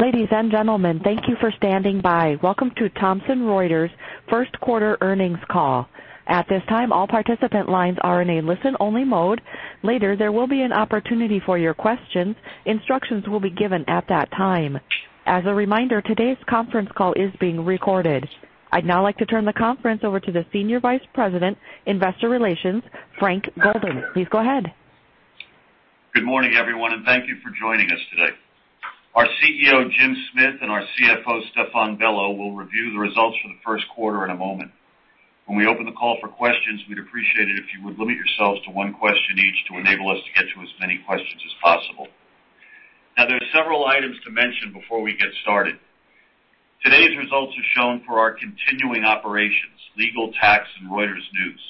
Ladies and gentlemen, thank you for standing by. Welcome to Thomson Reuters' First Quarter Earnings Call. At this time, all participant lines are in a listen-only mode. Later, there will be an opportunity for your questions. Instructions will be given at that time. As a reminder, today's conference call is being recorded. I'd now like to turn the conference over to the Senior Vice President, Investor Relations, Frank Golden. Please go ahead. Good morning, everyone, and thank you for joining us today. Our CEO, Jim Smith, and our CFO, Stephane Bello, will review the results for the first quarter in a moment. When we open the call for questions, we'd appreciate it if you would limit yourselves to one question each to enable us to get to as many questions as possible. Now, there are several items to mention before we get started. Today's results are shown for our continuing operations, Legal, Tax, and Reuters News.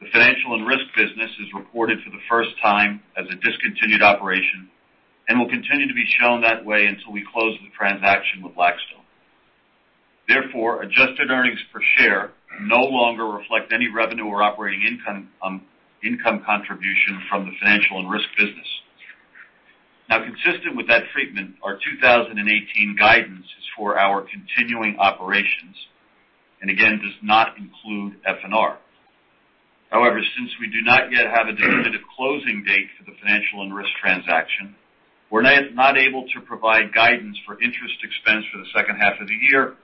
The Financial & Risk business is reported for the first time as a discontinued operation and will continue to be shown that way until we close the transaction with Blackstone. Therefore, adjusted earnings per share no longer reflect any revenue or operating income contribution from the Financial & Risk business. Now, consistent with that treatment, our 2018 guidance is for our continuing operations and, again, does not include F&R. However, since we do not yet have a definitive closing date for the Financial & Risk transaction, we're not able to provide guidance for interest expense for the second half of the year,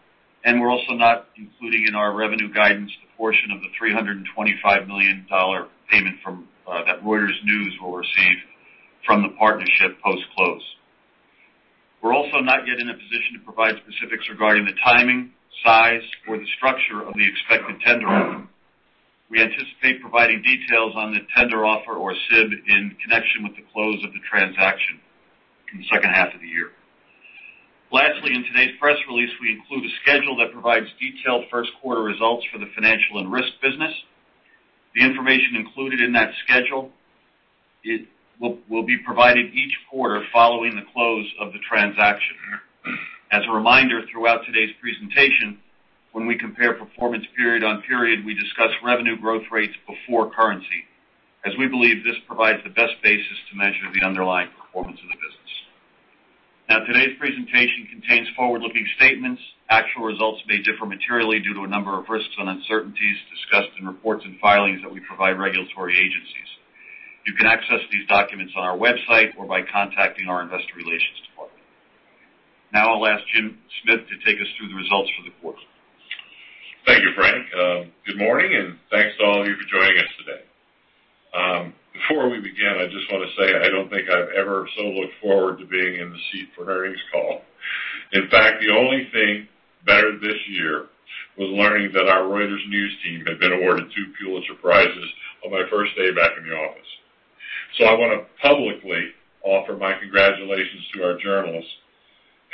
and we're also not including in our revenue guidance the portion of the $325 million payment that Reuters News will receive from the partnership post-close. We're also not yet in a position to provide specifics regarding the timing, size, or the structure of the expected tender offer. We anticipate providing details on the tender offer or SIB in connection with the close of the transaction in the second half of the year. Lastly, in today's press release, we include a schedule that provides detailed first quarter results for the Financial & Risk business. The information included in that schedule will be provided each quarter following the close of the transaction. As a reminder, throughout today's presentation, when we compare performance period on period, we discuss revenue growth rates before currency, as we believe this provides the best basis to measure the underlying performance of the business. Now, today's presentation contains forward-looking statements. Actual results may differ materially due to a number of risks and uncertainties discussed in reports and filings that we provide regulatory agencies. You can access these documents on our website or by contacting our Investor Relations Department. Now, I'll ask Jim Smith to take us through the results for the quarter. Thank you, Frank. Good morning, and thanks to all of you for joining us today. Before we begin, I just want to say I don't think I've ever so looked forward to being in the seat for an earnings call. In fact, the only thing better this year was learning that our Reuters News team had been awarded two Pulitzer Prizes on my first day back in the office. So I want to publicly offer my congratulations to our journalists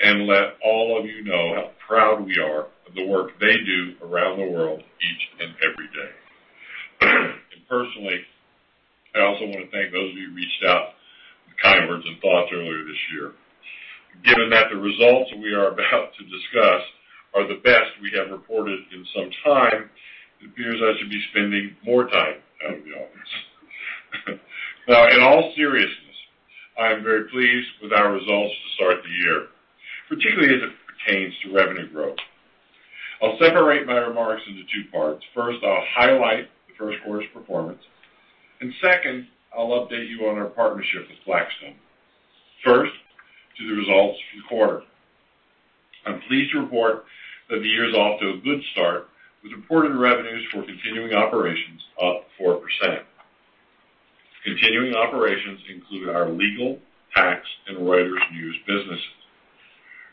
and let all of you know how proud we are of the work they do around the world each and every day, and personally, I also want to thank those of you who reached out with kind words and thoughts earlier this year. Given that the results we are about to discuss are the best we have reported in some time, it appears I should be spending more time out of the office. Now, in all seriousness, I am very pleased with our results to start the year, particularly as it pertains to revenue growth. I'll separate my remarks into two parts. First, I'll highlight the first quarter's performance, and second, I'll update you on our partnership with Blackstone. First, to the results for the quarter. I'm pleased to report that the year's off to a good start with reported revenues for continuing operations up 4%. Continuing operations include our Legal, Tax, and Reuters News business.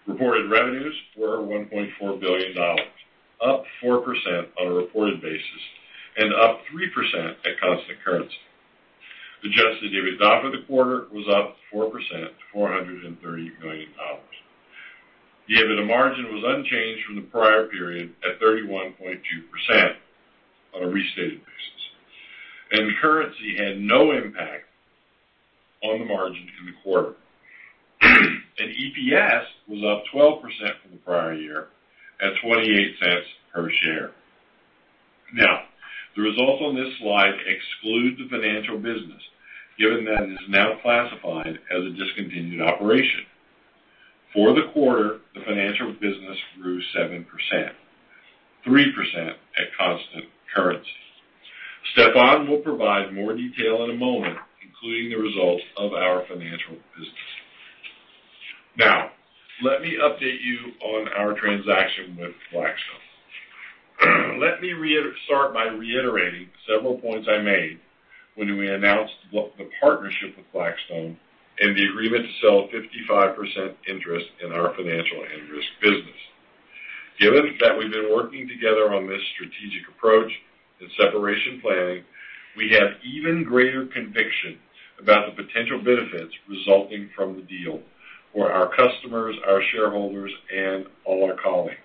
Reported revenues were $1.4 billion, up 4% on a reported basis and up 3% at constant currency. Adjusted EBITDA for the quarter was up 4% to $430 million. The EBITDA margin was unchanged from the prior period at 31.2% on a restated basis. Currency had no impact on the margin in the quarter. EPS was up 12% from the prior year at $0.28 per share. Now, the results on this slide exclude the financial business, given that it is now classified as a discontinued operation. For the quarter, the financial business grew 7%, 3% at constant currency. Stephane will provide more detail in a moment, including the results of our financial business. Now, let me update you on our transaction with Blackstone. Let me start by reiterating several points I made when we announced the partnership with Blackstone and the agreement to sell 55% interest in our Financial & Risk business. Given that we've been working together on this strategic approach and separation planning, we have even greater conviction about the potential benefits resulting from the deal for our customers, our shareholders, and all our colleagues.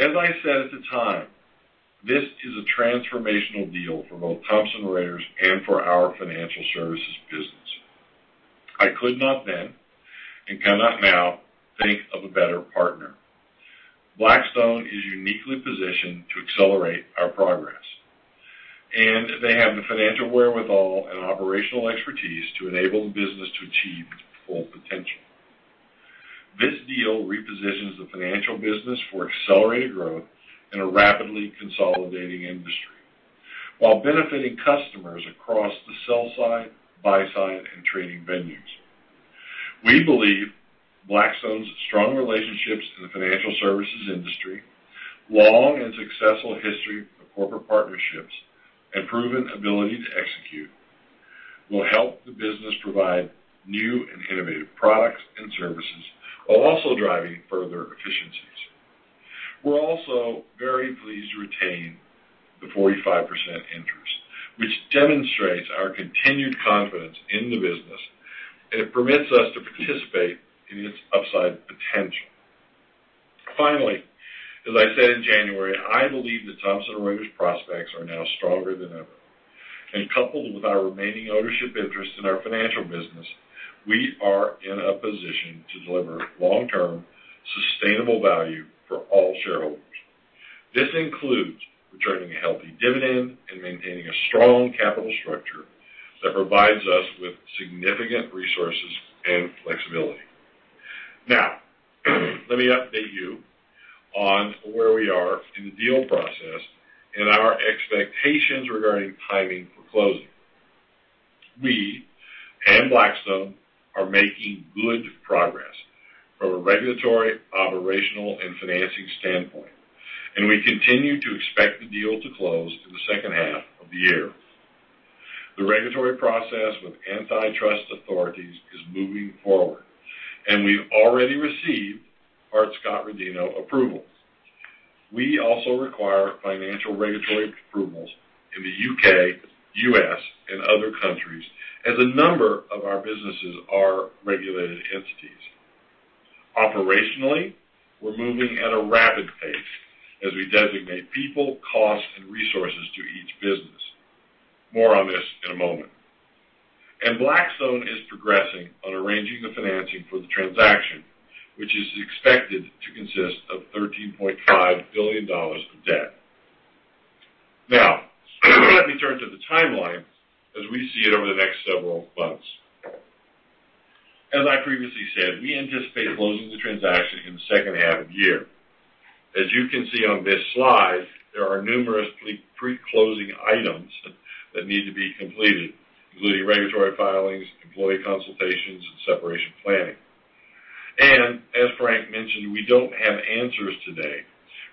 As I said at the time, this is a transformational deal for both Thomson Reuters and for our financial services business. I could not then and cannot now think of a better partner. Blackstone is uniquely positioned to accelerate our progress, and they have the financial wherewithal and operational expertise to enable the business to achieve its full potential. This deal repositions the financial business for accelerated growth in a rapidly consolidating industry while benefiting customers across the sell side, buy side, and trading venues. We believe Blackstone's strong relationships in the financial services industry, long and successful history of corporate partnerships, and proven ability to execute will help the business provide new and innovative products and services while also driving further efficiencies. We're also very pleased to retain the 45% interest, which demonstrates our continued confidence in the business and permits us to participate in its upside potential. Finally, as I said in January, I believe that Thomson Reuters' prospects are now stronger than ever, and coupled with our remaining ownership interest in our financial business, we are in a position to deliver long-term sustainable value for all shareholders. This includes returning a healthy dividend and maintaining a strong capital structure that provides us with significant resources and flexibility. Now, let me update you on where we are in the deal process and our expectations regarding timing for closing. We and Blackstone are making good progress from a regulatory, operational, and financing standpoint, and we continue to expect the deal to close in the second half of the year. The regulatory process with antitrust authorities is moving forward, and we've already received Hart-Scott-Rodino approvals. We also require financial regulatory approvals in the U.K., U.S., and other countries as a number of our businesses are regulated entities. Operationally, we're moving at a rapid pace as we designate people, costs, and resources to each business. More on this in a moment, and Blackstone is progressing on arranging the financing for the transaction, which is expected to consist of $13.5 billion of debt. Now, let me turn to the timeline as we see it over the next several months. As I previously said, we anticipate closing the transaction in the second half of the year. As you can see on this slide, there are numerous pre-closing items that need to be completed, including regulatory filings, employee consultations, and separation planning. And as Frank mentioned, we don't have answers today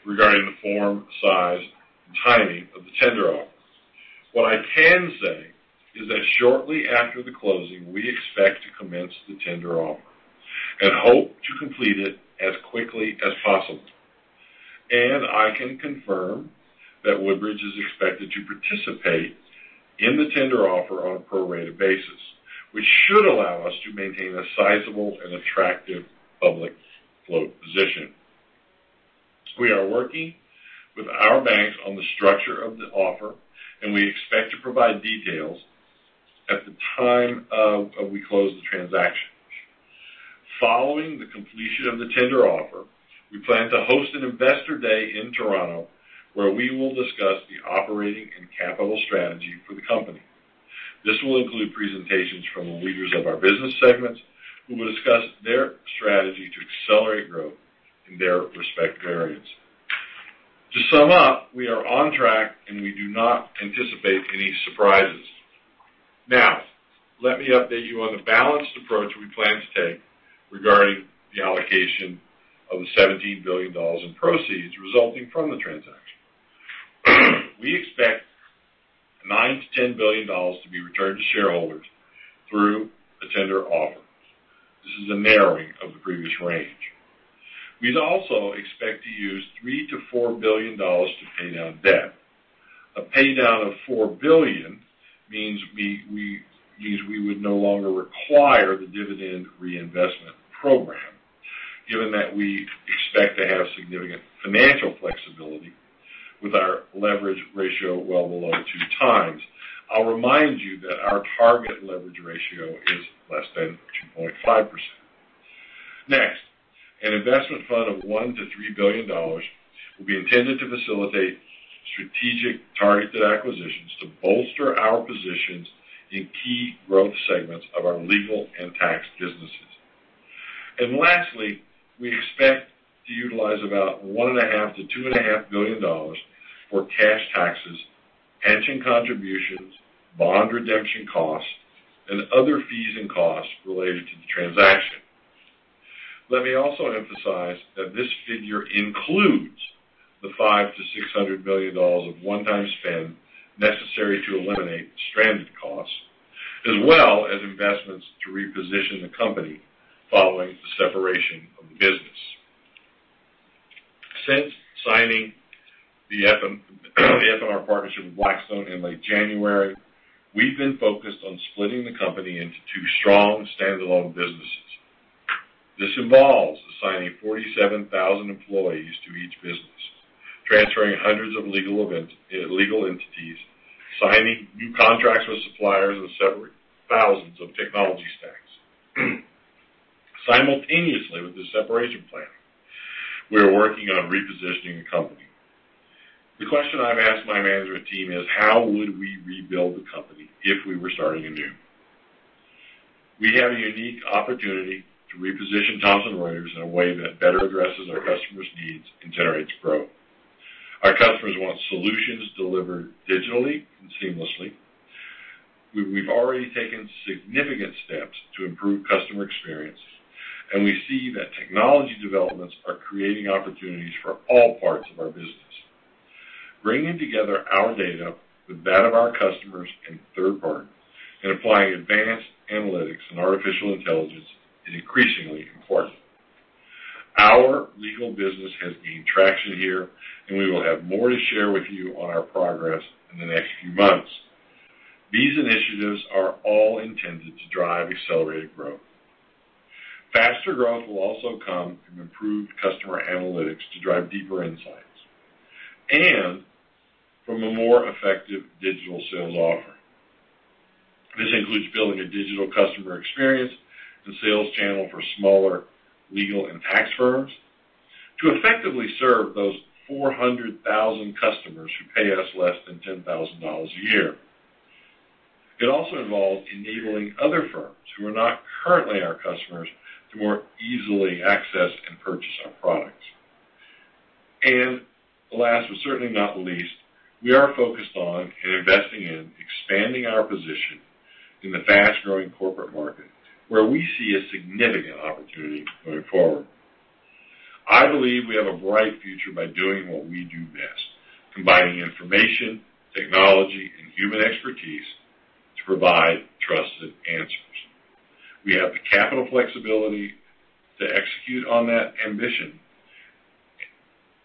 regarding the form, size, and timing of the tender offer. What I can say is that shortly after the closing, we expect to commence the tender offer and hope to complete it as quickly as possible. And I can confirm that Woodbridge is expected to participate in the tender offer on a prorated basis, which should allow us to maintain a sizable and attractive public float position. We are working with our banks on the structure of the offer, and we expect to provide details at the time we close the transaction. Following the completion of the tender offer, we plan to host an Investor Day in Toronto where we will discuss the operating and capital strategy for the company. This will include presentations from the leaders of our business segments who will discuss their strategy to accelerate growth in their respective areas. To sum up, we are on track, and we do not anticipate any surprises. Now, let me update you on the balanced approach we plan to take regarding the allocation of the $17 billion in proceeds resulting from the transaction. We expect $9 billion-$10 billion to be returned to shareholders through the tender offer. This is a narrowing of the previous range. We'd also expect to use $3 billion-$4 billion to pay down debt. A paydown of $4 billion means we would no longer require the dividend reinvestment program, given that we expect to have significant financial flexibility with our leverage ratio well below two times. I'll remind you that our target leverage ratio is less than 2.5%. Next, an investment fund of $1 billion-$3 billion will be intended to facilitate strategic targeted acquisitions to bolster our positions in key growth segments of our Legal and Tax businesses. And lastly, we expect to utilize about $1.5 billion-$2.5 billion for cash taxes, pension contributions, bond redemption costs, and other fees and costs related to the transaction. Let me also emphasize that this figure includes the $500 million-$600 million of one-time spend necessary to eliminate stranded costs, as well as investments to reposition the company following the separation of the business. Since signing the F&R partnership with Blackstone in late January, we've been focused on splitting the company into two strong standalone businesses. This involves assigning 47,000 employees to each business, transferring hundreds of legal entities, signing new contracts with suppliers, and several thousands of technology stacks. Simultaneously with the separation plan, we are working on repositioning the company. The question I've asked my management team is, how would we rebuild the company if we were starting anew? We have a unique opportunity to reposition Thomson Reuters in a way that better addresses our customers' needs and generates growth. Our customers want solutions delivered digitally and seamlessly. We've already taken significant steps to improve customer experience, and we see that technology developments are creating opportunities for all parts of our business. Bringing together our data with that of our customers and third parties and applying advanced analytics and artificial intelligence is increasingly important. Our Legal business has gained traction here, and we will have more to share with you on our progress in the next few months. These initiatives are all intended to drive accelerated growth. Faster growth will also come from improved customer analytics to drive deeper insights and from a more effective digital sales offer. This includes building a digital customer experience and sales channel for smaller legal and tax firms to effectively serve those 400,000 customers who pay us less than $10,000 a year. It also involves enabling other firms who are not currently our customers to more easily access and purchase our products. Last but certainly not least, we are focused on and investing in expanding our position in the fast-growing corporate market where we see a significant opportunity going forward. I believe we have a bright future by doing what we do best, combining information, technology, and human expertise to provide trusted answers. We have the capital flexibility to execute on that ambition,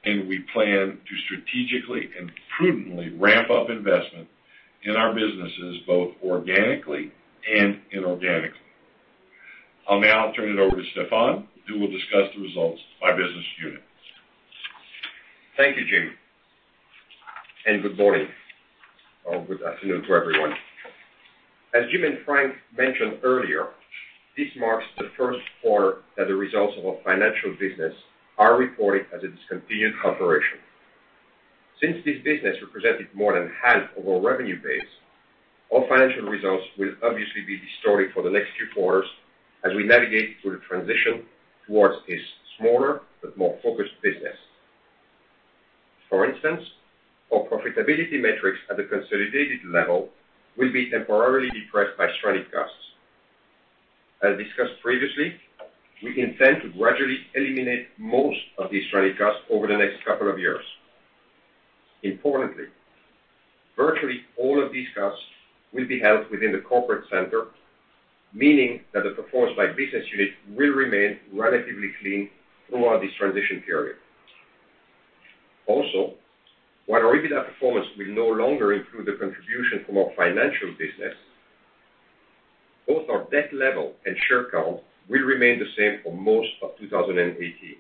and we plan to strategically and prudently ramp up investment in our businesses both organically and inorganically. I'll now turn it over to Stephane, who will discuss the results of my business unit. Thank you, Jim. Good morning or good afternoon to everyone. As Jim and Frank mentioned earlier, this marks the first quarter that the results of our financial business are reported as a discontinued operation. Since this business represented more than half of our revenue base, our financial results will obviously be distorted for the next few quarters as we navigate through the transition towards a smaller but more focused business. For instance, our profitability metrics at the consolidated level will be temporarily depressed by stranded costs. As discussed previously, we intend to gradually eliminate most of these stranded costs over the next couple of years. Importantly, virtually all of these costs will be held within the corporate center, meaning that the performance by business unit will remain relatively clean throughout this transition period. Also, while our EBITDA performance will no longer include the contribution from our financial business, both our debt level and share count will remain the same for most of 2018.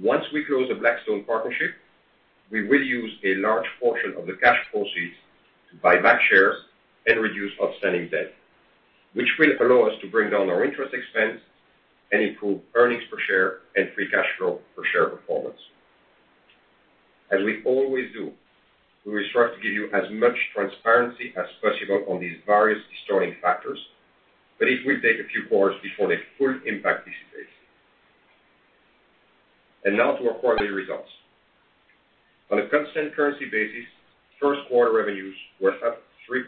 Once we close the Blackstone partnership, we will use a large portion of the cash proceeds to buy back shares and reduce outstanding debt, which will allow us to bring down our interest expense and improve earnings per share and free cash flow per share performance. As we always do, we will strive to give you as much transparency as possible on these various distorting factors, but it will take a few quarters before they fully impact this space. And now to our quarterly results. On a constant currency basis, first quarter revenues were up 3%.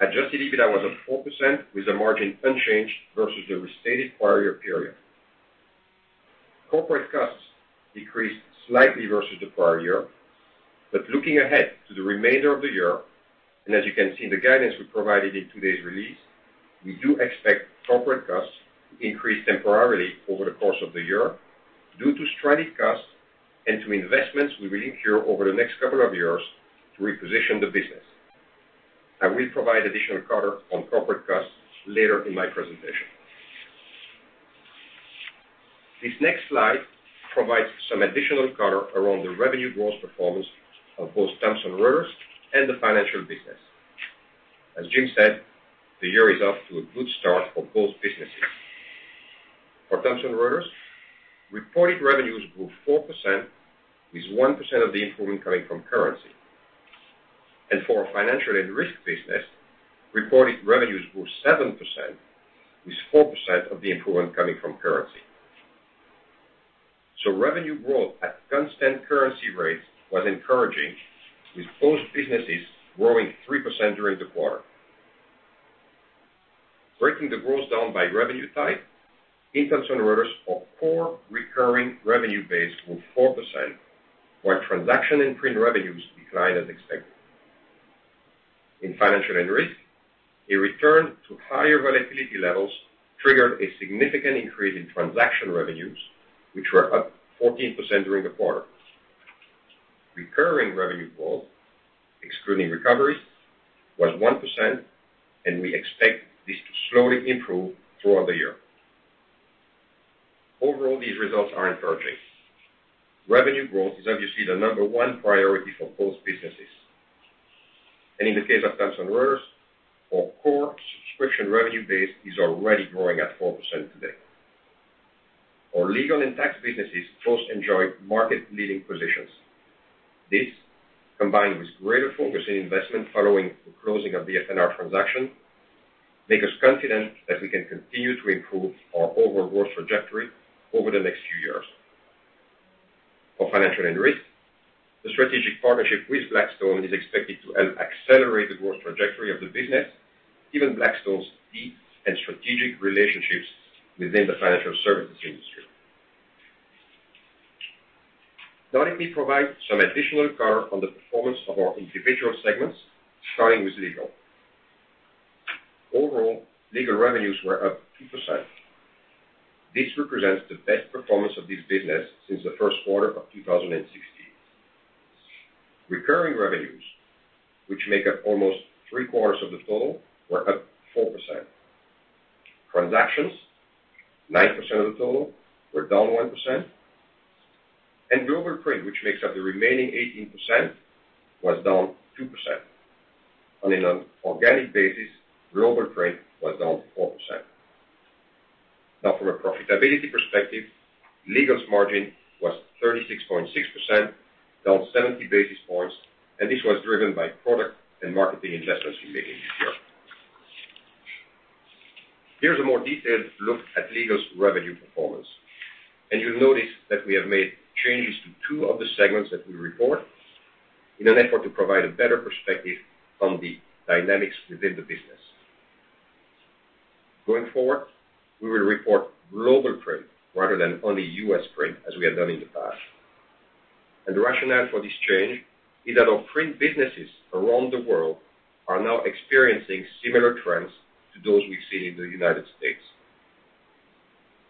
Adjusted EBITDA was up 4%, with the margin unchanged versus the stated prior year period. Corporate costs decreased slightly versus the prior year, but looking ahead to the remainder of the year, and as you can see in the guidance we provided in today's release, we do expect corporate costs to increase temporarily over the course of the year due to stranded costs and to investments we will incur over the next couple of years to reposition the business. I will provide additional color on corporate costs later in my presentation. This next slide provides some additional color around the revenue growth performance of both Thomson Reuters and the financial business. As Jim said, the year is off to a good start for both businesses. For Thomson Reuters, reported revenues grew 4% with 1% of the improvement coming from currency. And for our Financial & Risk business, reported revenues grew 7% with 4% of the improvement coming from currency. Revenue growth at constant currency rates was encouraging, with both businesses growing 3% during the quarter. Breaking the growth down by revenue type, in Thomson Reuters, our core recurring revenue base grew 4%, while transaction and print revenues declined as expected. In Financial & Risk, a return to higher volatility levels triggered a significant increase in transaction revenues, which were up 14% during the quarter. Recurring revenue growth, excluding recoveries, was 1%, and we expect this to slowly improve throughout the year. Overall, these results are encouraging. Revenue growth is obviously the number one priority for both businesses. In the case of Thomson Reuters, our core subscription revenue base is already growing at 4% today. Our Legal and Tax businesses both enjoy market-leading positions. This, combined with greater focus in investment following the closing of the F&R transaction, makes us confident that we can continue to improve our overall growth trajectory over the next few years. For Financial & Risk, the strategic partnership with Blackstone is expected to help accelerate the growth trajectory of the business, given Blackstone's deep and strategic relationships within the financial services industry. Now, let me provide some additional color on the performance of our individual segments starting with Legal. Overall, Legal revenues were up 2%. This represents the best performance of this business since the first quarter of 2016. Recurring revenues, which make up almost three-quarters of the total, were up 4%. Transactions, 9% of the total, were down 1%, and Global Print, which makes up the remaining 18%, was down 2%. On an organic basis, Global Print was down 4%. Now, from a profitability perspective, Legal's margin was 36.6%, down 70 basis points, and this was driven by product and marketing investments we made in this year. Here's a more detailed look at Legal's revenue performance, and you'll notice that we have made changes to two of the segments that we report in an effort to provide a better perspective on the dynamics within the business. Going forward, we will report Global Print rather than only U.S. Print, as we have done in the past. And the rationale for this change is that our print businesses around the world are now experiencing similar trends to those we've seen in the United States.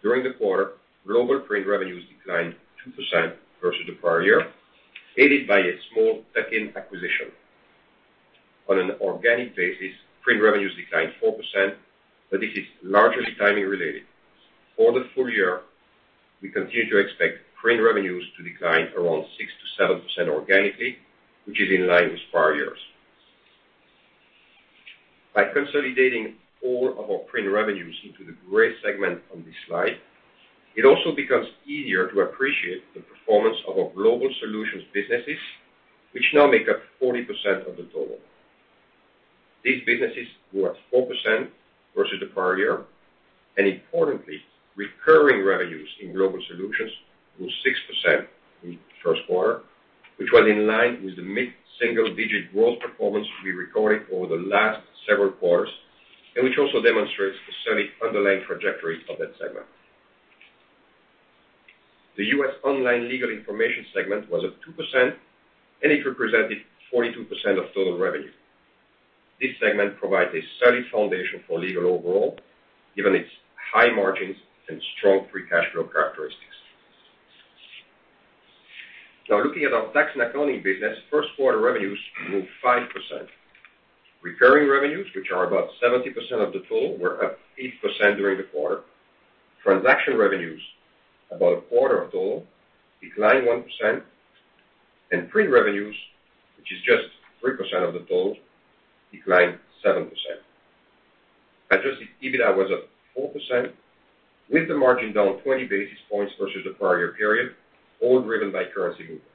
During the quarter, Global Print revenues declined 2% versus the prior year, aided by a small tuck-in acquisition. On an organic basis, print revenues declined 4%, but this is largely timing-related. For the full year, we continue to expect print revenues to decline around 6%-7% organically, which is in line with prior years. By consolidating all of our print revenues into the Legal segment on this slide, it also becomes easier to appreciate the performance of our Global Solutions businesses, which now make up 40% of the total. These businesses grew at 4% versus the prior year, and importantly, recurring revenues in Global Solutions grew 6% in the first quarter, which was in line with the mid-single-digit growth performance we recorded over the last several quarters, and which also demonstrates the solid underlying trajectory of that segment. The U.S. Online Legal Information segment was at 2%, and it represented 42% of total revenue. This segment provides a solid foundation for Legal overall, given its high margins and strong free cash flow characteristics. Now, looking at our Tax & Accounting business, first quarter revenues grew 5%. Recurring revenues, which are about 70% of the total, were up 8% during the quarter. Transaction revenues, about a quarter of the total, declined 1%. And print revenues, which is just 3% of the total, declined 7%. Adjusted EBITDA was up 4%, with the margin down 20 basis points versus the prior year period, all driven by currency movements.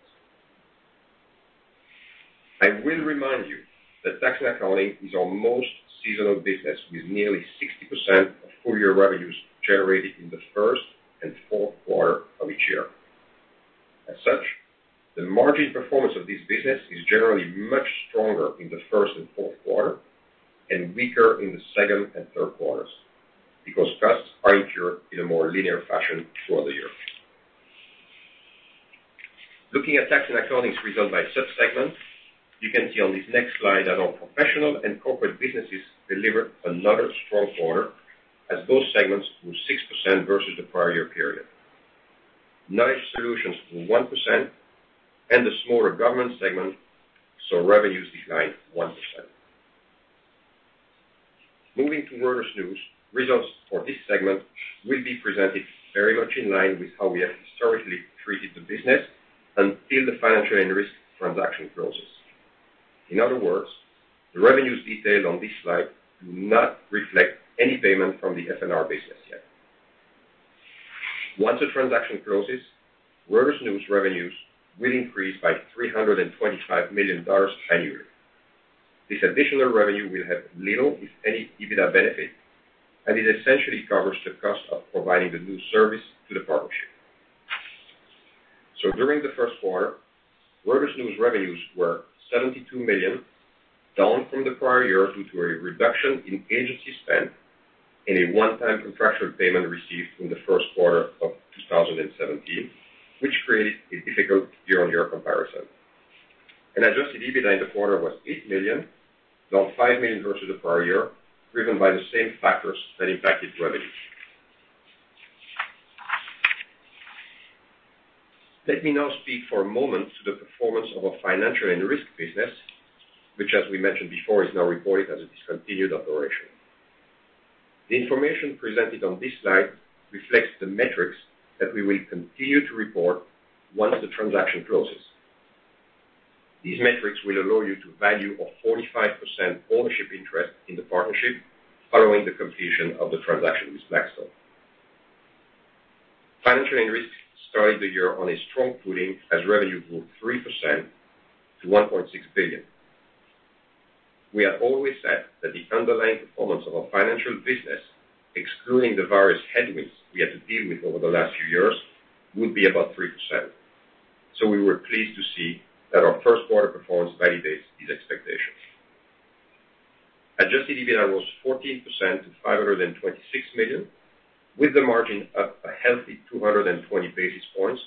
I will remind you that Tax & Accounting is our most seasonal business, with nearly 60% of full-year revenues generated in the first and fourth quarter of each year. As such, the margin performance of this business is generally much stronger in the first and fourth quarter and weaker in the second and third quarters because costs are incurred in a more linear fashion throughout the year. Looking at Tax & Accounting's result by subsegment, you can see on this next slide that our Professional and Corporate businesses delivered another strong quarter, as both segments grew 6% versus the prior year period. Knowledge Solutions grew 1%, and the smaller Government segment saw revenues decline 1%. Moving to Reuters News, results for this segment will be presented very much in line with how we have historically treated the business until the Financial & Risk transaction closes. In other words, the revenues detailed on this slide do not reflect any payment from the F&R business yet. Once the transaction closes, Reuters News revenues will increase by $325 million annually. This additional revenue will have little, if any, EBITDA benefit, and it essentially covers the cost of providing the new service to the partnership. During the first quarter, Reuters News revenues were $72 million, down from the prior year due to a reduction in agency spend and a one-time contractual payment received in the first quarter of 2017, which created a difficult year-on-year comparison. Adjusted EBITDA in the quarter was $8 million, down $5 million versus the prior year, driven by the same factors that impacted revenue. Let me now speak for a moment to the performance of our Financial & Risk business, which, as we mentioned before, is now reported as a discontinued operation. The information presented on this slide reflects the metrics that we will continue to report once the transaction closes. These metrics will allow you to value a 45% ownership interest in the partnership following the completion of the transaction with Blackstone. Financial & Risk started the year on a strong footing as revenue grew 3% to $1.6 billion. We had always said that the underlying performance of our financial business, excluding the various headwinds we had to deal with over the last few years, would be about 3%. So we were pleased to see that our first quarter performance validates these expectations. Adjusted EBITDA rose 14% to $526 million, with the margin up a healthy 220 basis points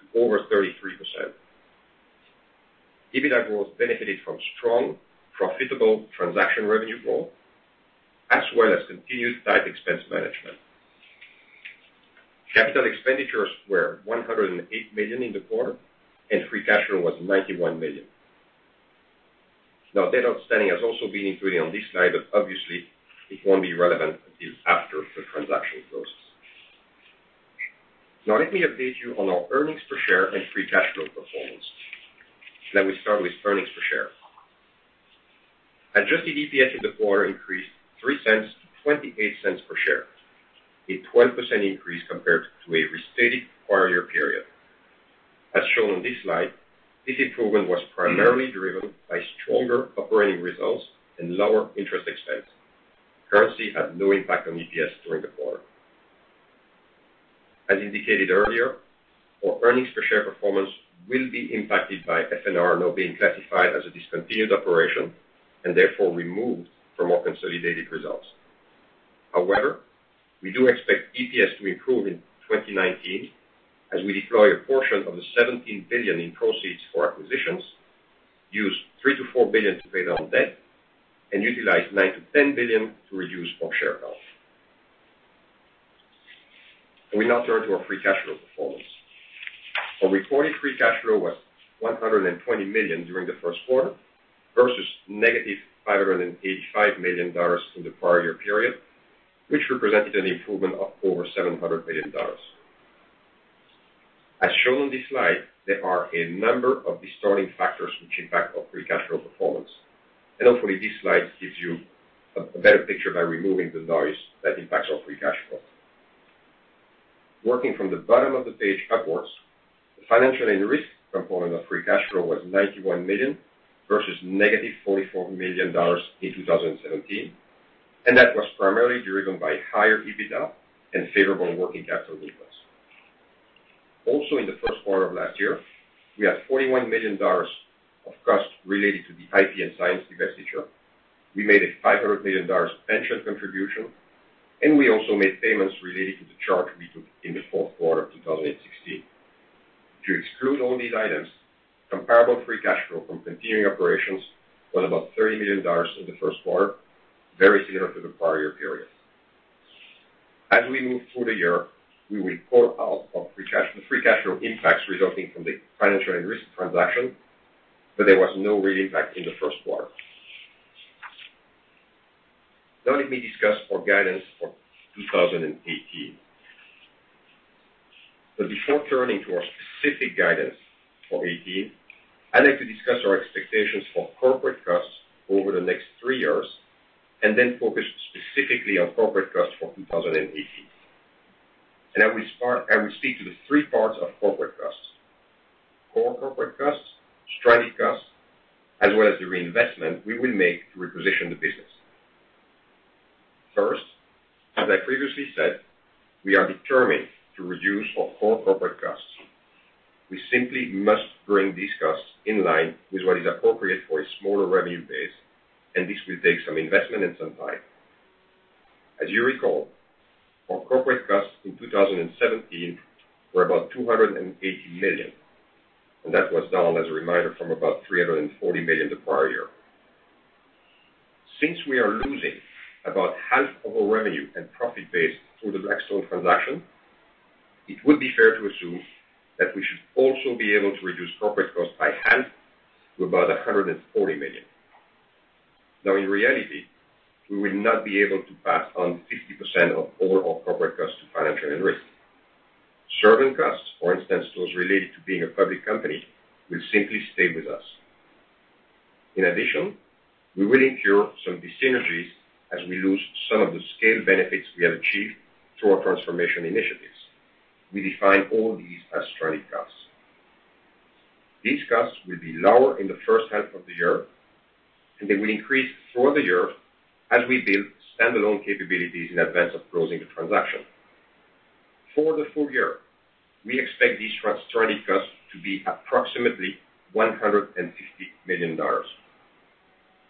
to over 33%. EBITDA growth benefited from strong, profitable transaction revenue growth, as well as continued tight expense management. Capital expenditures were $108 million in the quarter, and free cash flow was $91 million. Now, that outstanding has also been included on this slide, but obviously, it won't be relevant until after the transaction closes. Now, let me update you on our earnings per share and free cash flow performance. Let me start with earnings per share. Adjusted EPS in the quarter increased $0.03 to $0.28 per share, a 12% increase compared to a restated prior year period. As shown on this slide, this improvement was primarily driven by stronger operating results and lower interest expense. Currency had no impact on EPS during the quarter. As indicated earlier, our earnings per share performance will be impacted by F&R now being classified as a discontinued operation and therefore removed from our consolidated results. However, we do expect EPS to improve in 2019 as we deploy a portion of the $17 billion in proceeds for acquisitions, use $3 billion-$4 billion to pay down debt, and utilize $9 billion-$10 billion to reduce our share count. We now turn to our free cash flow performance. Our reported free cash flow was $120 million during the first quarter versus -$585 million in the prior year period, which represented an improvement of over $700 million. As shown on this slide, there are a number of distorting factors which impact our free cash flow performance, and hopefully, this slide gives you a better picture by removing the noise that impacts our free cash flow. Working from the bottom of the page upwards, the Financial & Risk component of free cash flow was $91 million versus -$44 million in 2017, and that was primarily driven by higher EBITDA and favorable working capital movements. Also, in the first quarter of last year, we had $41 million of costs related to the IP & Science divestiture. We made a $500 million pension contribution, and we also made payments related to the charge we took in the fourth quarter of 2016. To exclude all these items, comparable free cash flow from continuing operations was about $30 million in the first quarter, very similar to the prior year period. As we move through the year, we will call out the free cash flow impacts resulting from the Financial & Risk transaction, but there was no real impact in the first quarter. Now, let me discuss our guidance for 2018. But before turning to our specific guidance for 2018, I'd like to discuss our expectations for corporate costs over the next three years and then focus specifically on corporate costs for 2018. I will speak to the three parts of corporate costs: core corporate costs, strategic costs, as well as the reinvestment we will make to reposition the business. First, as I previously said, we are determined to reduce our core corporate costs. We simply must bring these costs in line with what is appropriate for a smaller revenue base, and this will take some investment and some time. As you recall, our corporate costs in 2017 were about $280 million, and that was down, as a reminder, from about $340 million the prior year. Since we are losing about half of our revenue and profit base through the Blackstone transaction, it would be fair to assume that we should also be able to reduce corporate costs by half to about $140 million. Now, in reality, we will not be able to pass on 50% of all our corporate costs to Financial & Risk. Certain costs, for instance, those related to being a public company, will simply stay with us. In addition, we will incur some dissynergies as we lose some of the scale benefits we have achieved through our transformation initiatives. We define all these as strategic costs. These costs will be lower in the first half of the year, and they will increase throughout the year as we build standalone capabilities in advance of closing the transaction. For the full year, we expect these strategic costs to be approximately $150 million.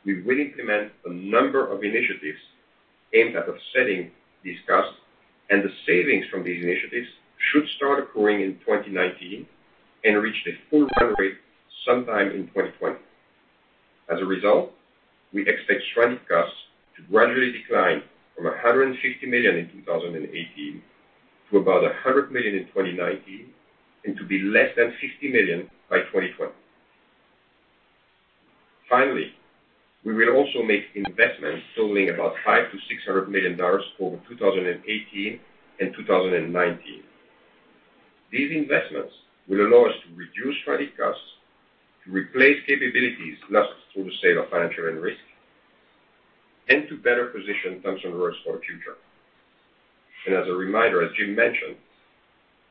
We will implement a number of initiatives aimed at offsetting these costs, and the savings from these initiatives should start occurring in 2019 and reach the full run rate sometime in 2020. As a result, we expect strategic costs to gradually decline from $150 million in 2018 to about $100 million in 2019 and to be less than $50 million by 2020. Finally, we will also make investments totaling about $500 million-$600 million over 2018 and 2019. These investments will allow us to reduce strategic costs, to replace capabilities lost through the sale of Financial & Risk, and to better position Thomson Reuters for the future, and as a reminder, as Jim mentioned,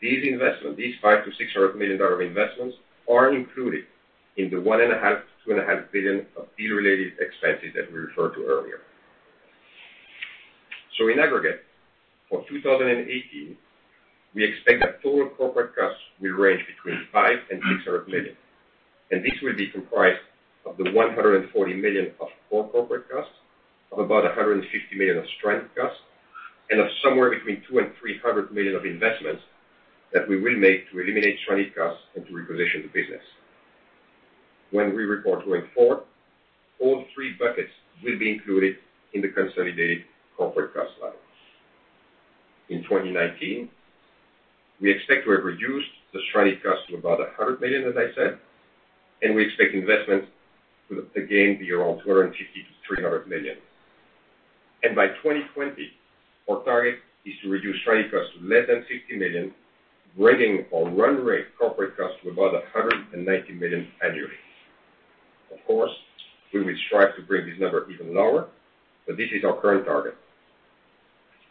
these investments, these $500 million-$600 million investments, are included in the $1.5 billion-$2.5 billion of deal-related expenses that we referred to earlier, so in aggregate, for 2018, we expect that total corporate costs will range between $500 million and $600 million. This will be comprised of the $140 million of core corporate costs, of about $150 million of strategic costs, and of somewhere between $200 million and $300 million of investments that we will make to eliminate strategic costs and to reposition the business. When we report going forward, all three buckets will be included in the consolidated corporate cost level. In 2019, we expect to have reduced the strategic costs to about $100 million, as I said, and we expect investments to, again, be around $250 million-$300 million. By 2020, our target is to reduce strategic costs to less than $50 million, bringing our run rate corporate costs to about $190 million annually. Of course, we will strive to bring this number even lower, but this is our current target.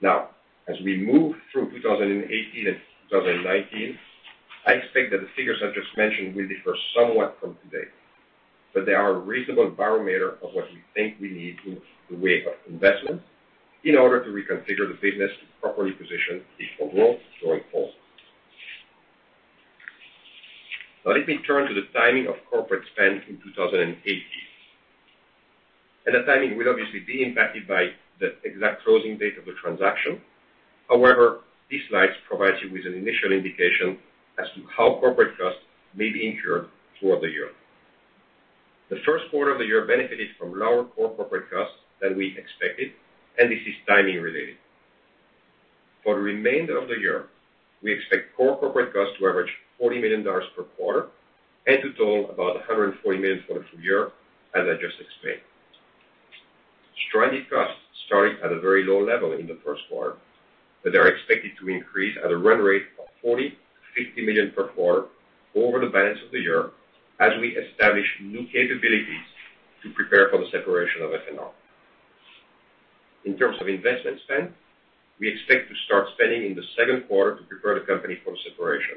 Now, as we move through 2018 and 2019, I expect that the figures I just mentioned will differ somewhat from today, but they are a reasonable barometer of what we think we need in the way of investments in order to reconfigure the business to properly position the overall going forward. Now, let me turn to the timing of corporate spend in 2018, and the timing will obviously be impacted by the exact closing date of the transaction. However, these slides provide you with an initial indication as to how corporate costs may be incurred throughout the year. The first quarter of the year benefited from lower core corporate costs than we expected, and this is timing-related. For the remainder of the year, we expect core corporate costs to average $40 million per quarter and to total about $140 million for the full year, as I just explained. Strategic costs started at a very low level in the first quarter, but they are expected to increase at a run rate of $40 million-$50 million per quarter over the balance of the year as we establish new capabilities to prepare for the separation of F&R. In terms of investment spend, we expect to start spending in the second quarter to prepare the company for the separation,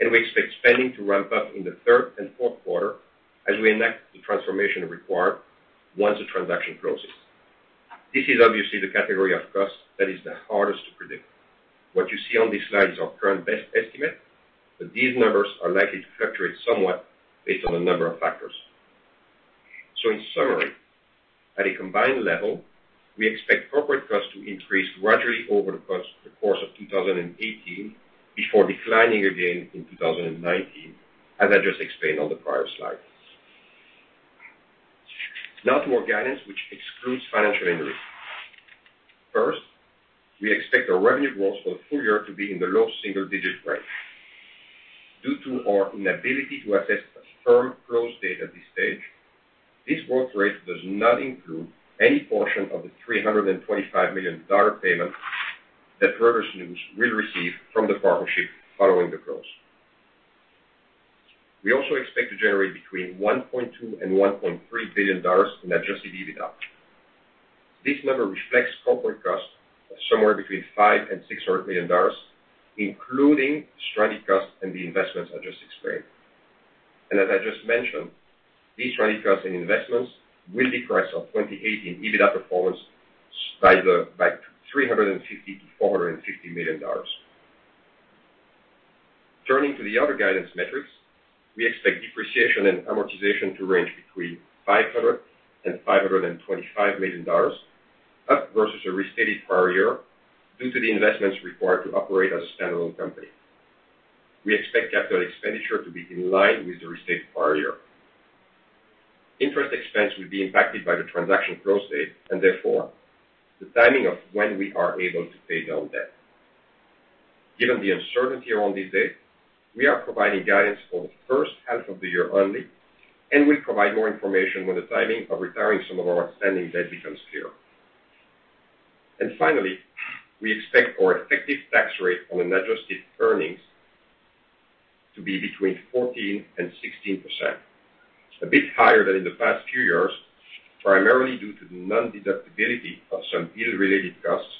and we expect spending to ramp up in the third and fourth quarter as we enact the transformation required once the transaction closes. This is obviously the category of costs that is the hardest to predict. What you see on this slide is our current best estimate, but these numbers are likely to fluctuate somewhat based on a number of factors. In summary, at a combined level, we expect corporate costs to increase gradually over the course of 2018 before declining again in 2019, as I just explained on the prior slide. Now to our guidance, which excludes Financial & Risk. First, we expect our revenue growth for the full year to be in the low single-digit range. Due to our inability to assess a firm close date at this stage, this growth rate does not include any portion of the $325 million payment that Reuters News will receive from the partnership following the close. We also expect to generate between $1.2 billion and $1.3 billion in Adjusted EBITDA. This number reflects corporate costs of somewhere between $500 million and $600 million, including strategic costs and the investments I just explained. And as I just mentioned, these strategic costs and investments will decrease our 2018 EBITDA performance by $350 million to $450 million. Turning to the other guidance metrics, we expect depreciation and amortization to range between $500 million and $525 million up versus a restated prior year due to the investments required to operate as a standalone company. We expect capital expenditure to be in line with the restated prior year. Interest expense will be impacted by the transaction close date and therefore the timing of when we are able to pay down debt. Given the uncertainty around this date, we are providing guidance for the first half of the year only and will provide more information when the timing of retiring some of our outstanding debt becomes clear. And finally, we expect our effective tax rate on an adjusted earnings to be between 14% and 16%, a bit higher than in the past few years, primarily due to the non-deductibility of some deal-related costs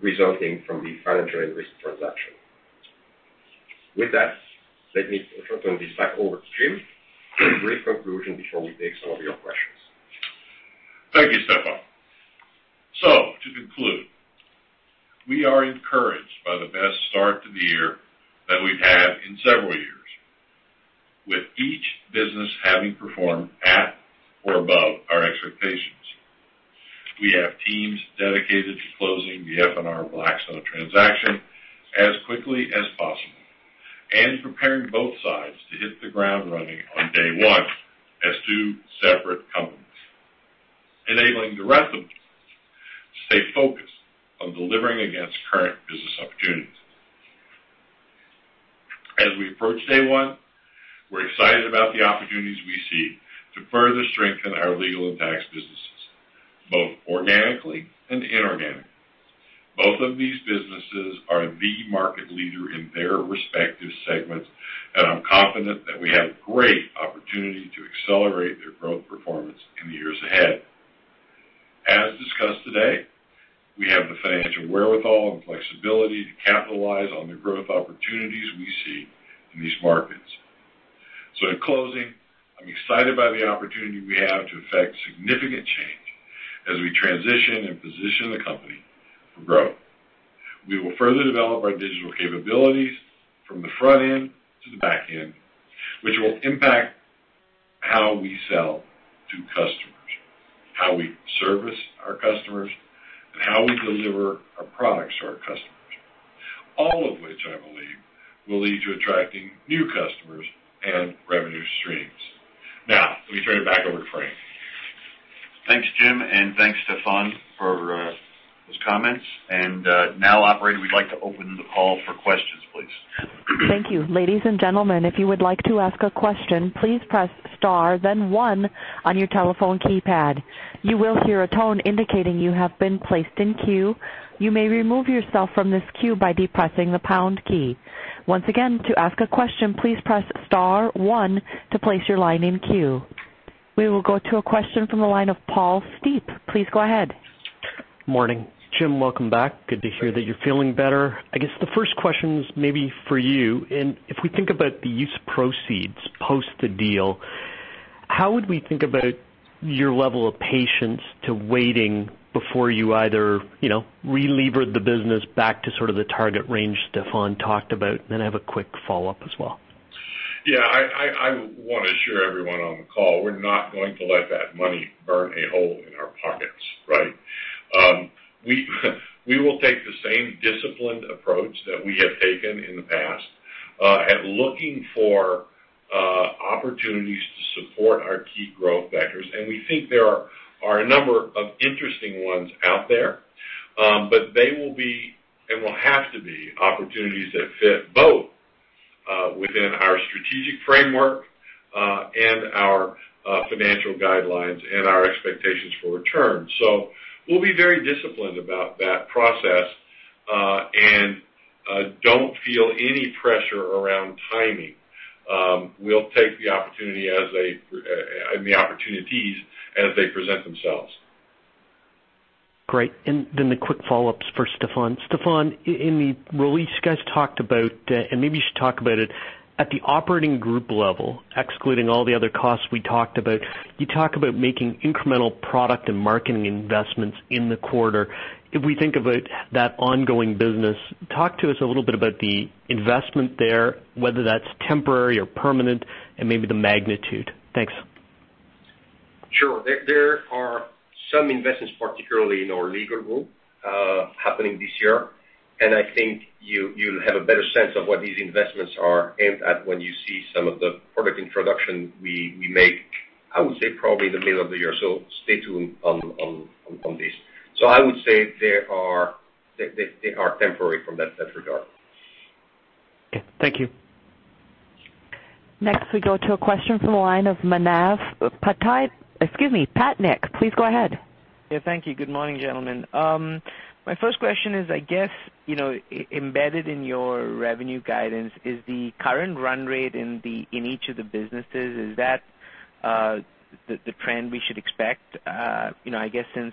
resulting from the Financial & Risk transaction. With that, let me turn this back over to Jim for a brief conclusion before we take some of your questions. Thank you, Stephane. So to conclude, we are encouraged by the best start to the year that we've had in several years, with each business having performed at or above our expectations. We have teams dedicated to closing the F&R Blackstone transaction as quickly as possible and preparing both sides to hit the ground running on day one as two separate companies, enabling the rest of us to stay focused on delivering against current business opportunities. As we approach day one, we're excited about the opportunities we see to further strengthen our Legal and Tax businesses, both organically and inorganically. Both of these businesses are the market leader in their respective segments, and I'm confident that we have a great opportunity to accelerate their growth performance in the years ahead. As discussed today, we have the financial wherewithal and flexibility to capitalize on the growth opportunities we see in these markets. So in closing, I'm excited by the opportunity we have to effect significant change as we transition and position the company for growth. We will further develop our digital capabilities from the front end to the back end, which will impact how we sell to customers, how we service our customers, and how we deliver our products to our customers, all of which I believe will lead to attracting new customers and revenue streams. Now, let me turn it back over to Frank. Thanks, Jim, and thanks, Stephane, for those comments. And now, operator, we'd like to open the call for questions, please. Thank you. Ladies and gentlemen, if you would like to ask a question, please press star, then one on your telephone keypad. You will hear a tone indicating you have been placed in queue. You may remove yourself from this queue by depressing the pound key. Once again, to ask a question, please press star, one to place your line in queue. We will go to a question from the line of Paul Steep. Please go ahead. Morning. Jim, welcome back. Good to hear that you're feeling better. I guess the first question is maybe for you. And if we think about the use of proceeds post the deal, how would we think about your level of patience to waiting before you either relevered the business back to sort of the target range Stephane talked about? And then I have a quick follow-up as well. Yeah. I want to assure everyone on the call, we're not going to let that money burn a hole in our pockets, right? We will take the same disciplined approach that we have taken in the past at looking for opportunities to support our key growth vectors. And we think there are a number of interesting ones out there, but they will be and will have to be opportunities that fit both within our strategic framework and our financial guidelines and our expectations for return. So we'll be very disciplined about that process and don't feel any pressure around timing. We'll take the opportunity and the opportunities as they present themselves. Great. And then the quick follow-ups for Stephane. Stephane, in the release you guys talked about, and maybe you should talk about it, at the operating group level, excluding all the other costs we talked about, you talk about making incremental product and marketing investments in the quarter. If we think about that ongoing business, talk to us a little bit about the investment there, whether that's temporary or permanent, and maybe the magnitude. Thanks. Sure. There are some investments, particularly in our Legal group, happening this year. And I think you'll have a better sense of what these investments are aimed at when you see some of the product introduction we make, I would say probably in the middle of the year. So stay tuned on these. So I would say they are temporary from that regard. Thank you. Next, we go to a question from the line of Manav Patnaik. Excuse me, Patnaik. Please go ahead. Yeah. Thank you. Good morning, gentlemen. My first question is, I guess, embedded in your revenue guidance is the current run rate in each of the businesses. Is that the trend we should expect? I guess since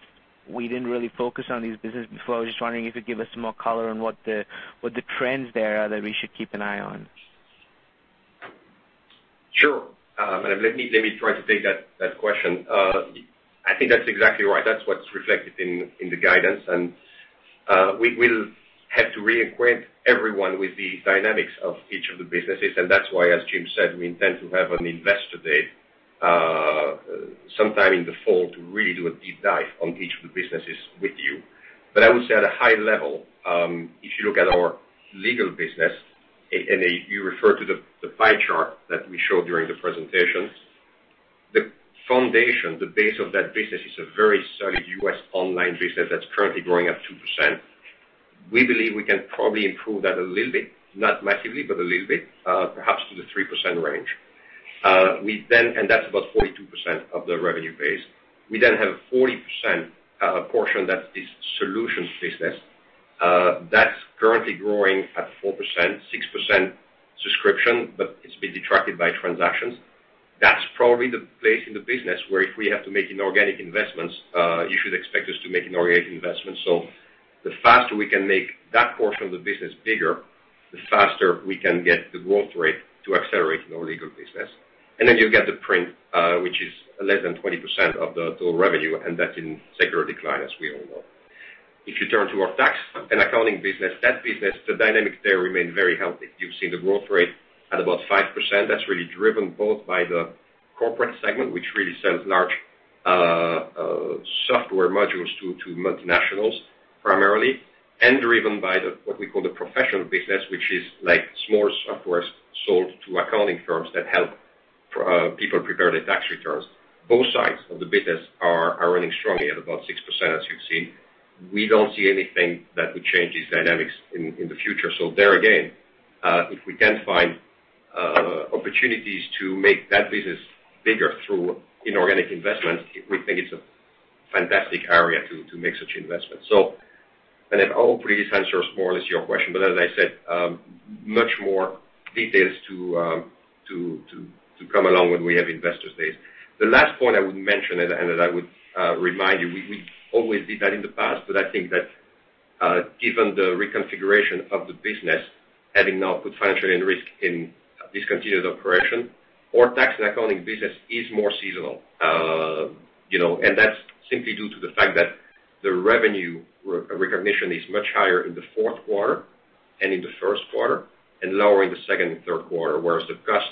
we didn't really focus on these businesses before, I was just wondering if you could give us some more color on what the trends there are that we should keep an eye on. Sure. And let me try to take that question. I think that's exactly right. That's what's reflected in the guidance. And we will have to reacquaint everyone with the dynamics of each of the businesses. And that's why, as Jim said, we intend to have an Investor Day sometime in the fall to really do a deep dive on each of the businesses with you. But I would say at a high level, if you look at our Legal business, and you refer to the pie chart that we showed during the presentation, the foundation, the base of that business is a very solid U.S. online business that's currently growing at 2%. We believe we can probably improve that a little bit, not massively, but a little bit, perhaps to the 3% range. And that's about 42% of the revenue base. We then have a 40% portion that's this solutions business. That's currently growing at 4%, 6% subscription, but it's been detracted by transactions. That's probably the place in the business where if we have to make inorganic investments, you should expect us to make inorganic investments. So the faster we can make that portion of the business bigger, the faster we can get the growth rate to accelerate in our Legal business. And then you'll get the print, which is less than 20% of the total revenue, and that's in secular decline, as we all know. If you turn to our Tax & Accounting business, that business, the dynamics there remain very healthy. You've seen the growth rate at about 5%. That's really driven both by the corporate segment, which really sells large software modules to multinationals primarily, and driven by what we call the Professional business, which is like small software sold to accounting firms that help people prepare their tax returns. Both sides of the business are running strongly at about 6%, as you've seen. We don't see anything that would change these dynamics in the future. So there again, if we can find opportunities to make that business bigger through inorganic investments, we think it's a fantastic area to make such investments. So I hope this answers more or less your question, but as I said, much more details to come along when we have Investor Days. The last point I would mention, and I would remind you, we always did that in the past, but I think that given the reconfiguration of the business, having now put Financial & Risk in discontinued operation, our Tax & Accounting business is more seasonal. And that's simply due to the fact that the revenue recognition is much higher in the fourth quarter and in the first quarter and lower in the second and third quarter, whereas the cost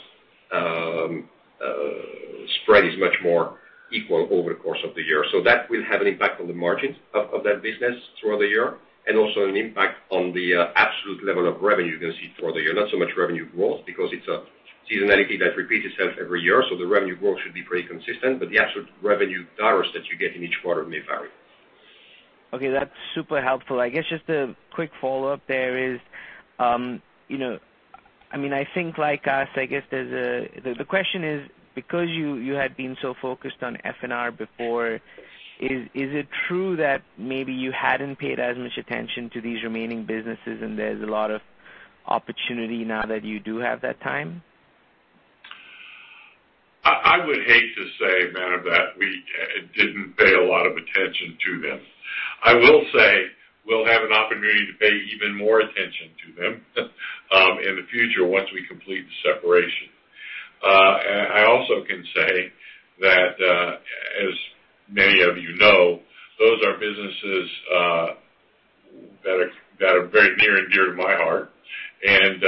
spread is much more equal over the course of the year. So that will have an impact on the margins of that business throughout the year and also an impact on the absolute level of revenue you're going to see throughout the year. Not so much revenue growth because it's a seasonality that repeats itself every year, so the revenue growth should be pretty consistent, but the absolute revenue dollars that you get in each quarter may vary. Okay. That's super helpful. I guess just a quick follow-up there is. I mean, I think like us, I guess there's the question is, because you had been so focused on F&R before, is it true that maybe you hadn't paid as much attention to these remaining businesses and there's a lot of opportunity now that you do have that time? I would hate to say, Manav, that we didn't pay a lot of attention to them. I will say we'll have an opportunity to pay even more attention to them in the future once we complete the separation. I also can say that, as many of you know, those are businesses that are very near and dear to my heart, and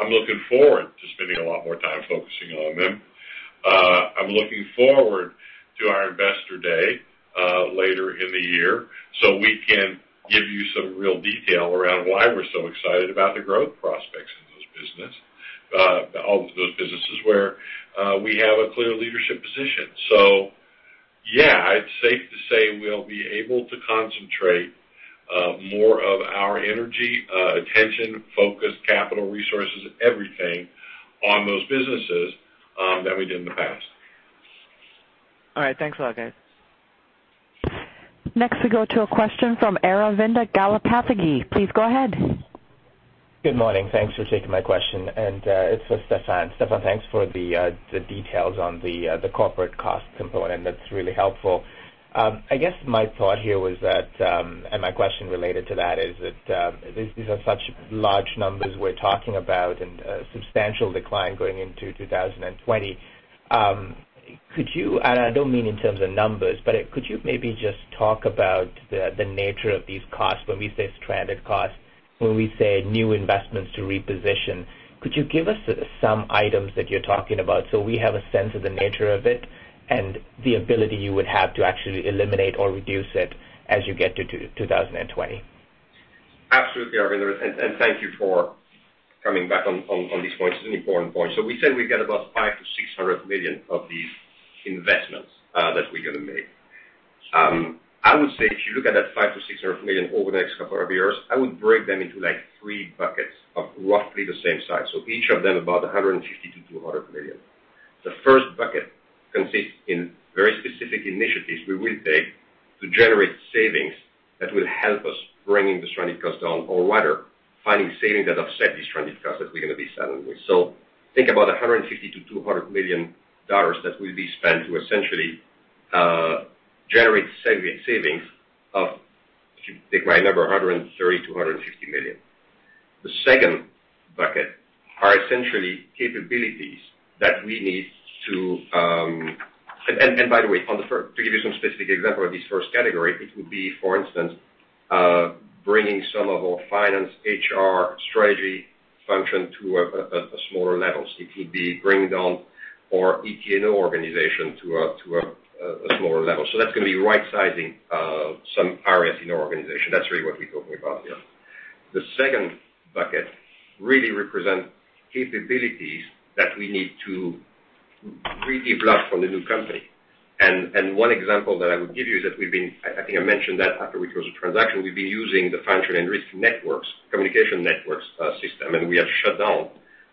I'm looking forward to spending a lot more time focusing on them. I'm looking forward to our Investor Day later in the year so we can give you some real detail around why we're so excited about the growth prospects in those businesses, where we have a clear leadership position. So yeah, it's safe to say we'll be able to concentrate more of our energy, attention, focus, capital resources, everything on those businesses than we did in the past. All right. Thanks a lot guys. Next, we go to a question from Aravinda Galappatthige. Please go ahead. Good morning. Thanks for taking my question. And it's for Stephane. Stephane, thanks for the details on the corporate cost component. That's really helpful. I guess my thought here was that, and my question related to that is that these are such large numbers we're talking about and a substantial decline going into 2020. And I don't mean in terms of numbers, but could you maybe just talk about the nature of these costs when we say stranded costs, when we say new investments to reposition? Could you give us some items that you're talking about so we have a sense of the nature of it and the ability you would have to actually eliminate or reduce it as you get to 2020? Absolutely, Aravinda. And thank you for coming back on these points. It's an important point. So we said we've got about $500 million-$600 million of these investments that we're going to make. I would say if you look at that $500 million-$600 million over the next couple of years, I would break them into three buckets of roughly the same size. So each of them about $150 million-$200 million. The first bucket consists in very specific initiatives we will take to generate savings that will help us bring the stranded cost down or rather finding savings that offset these stranded costs that we're going to be selling. So think about $150 million-$200 million dollars that will be spent to essentially generate savings of, if you take my number, $130 million-$150 million. The second bucket are essentially capabilities that we need to, and by the way, to give you some specific example of this first category, it would be, for instance, bringing some of our finance, HR, strategy function to a smaller level. It would be bringing down our ET&O organization to a smaller level. So that's going to be right-sizing some areas in our organization. That's really what we're talking about here. The second bucket really represents capabilities that we need to redevelop from the new company, and one example that I would give you is that we've been, I think I mentioned that after we closed the transaction, we've been using the Financial & Risk networks, communication networks system, and we have shut down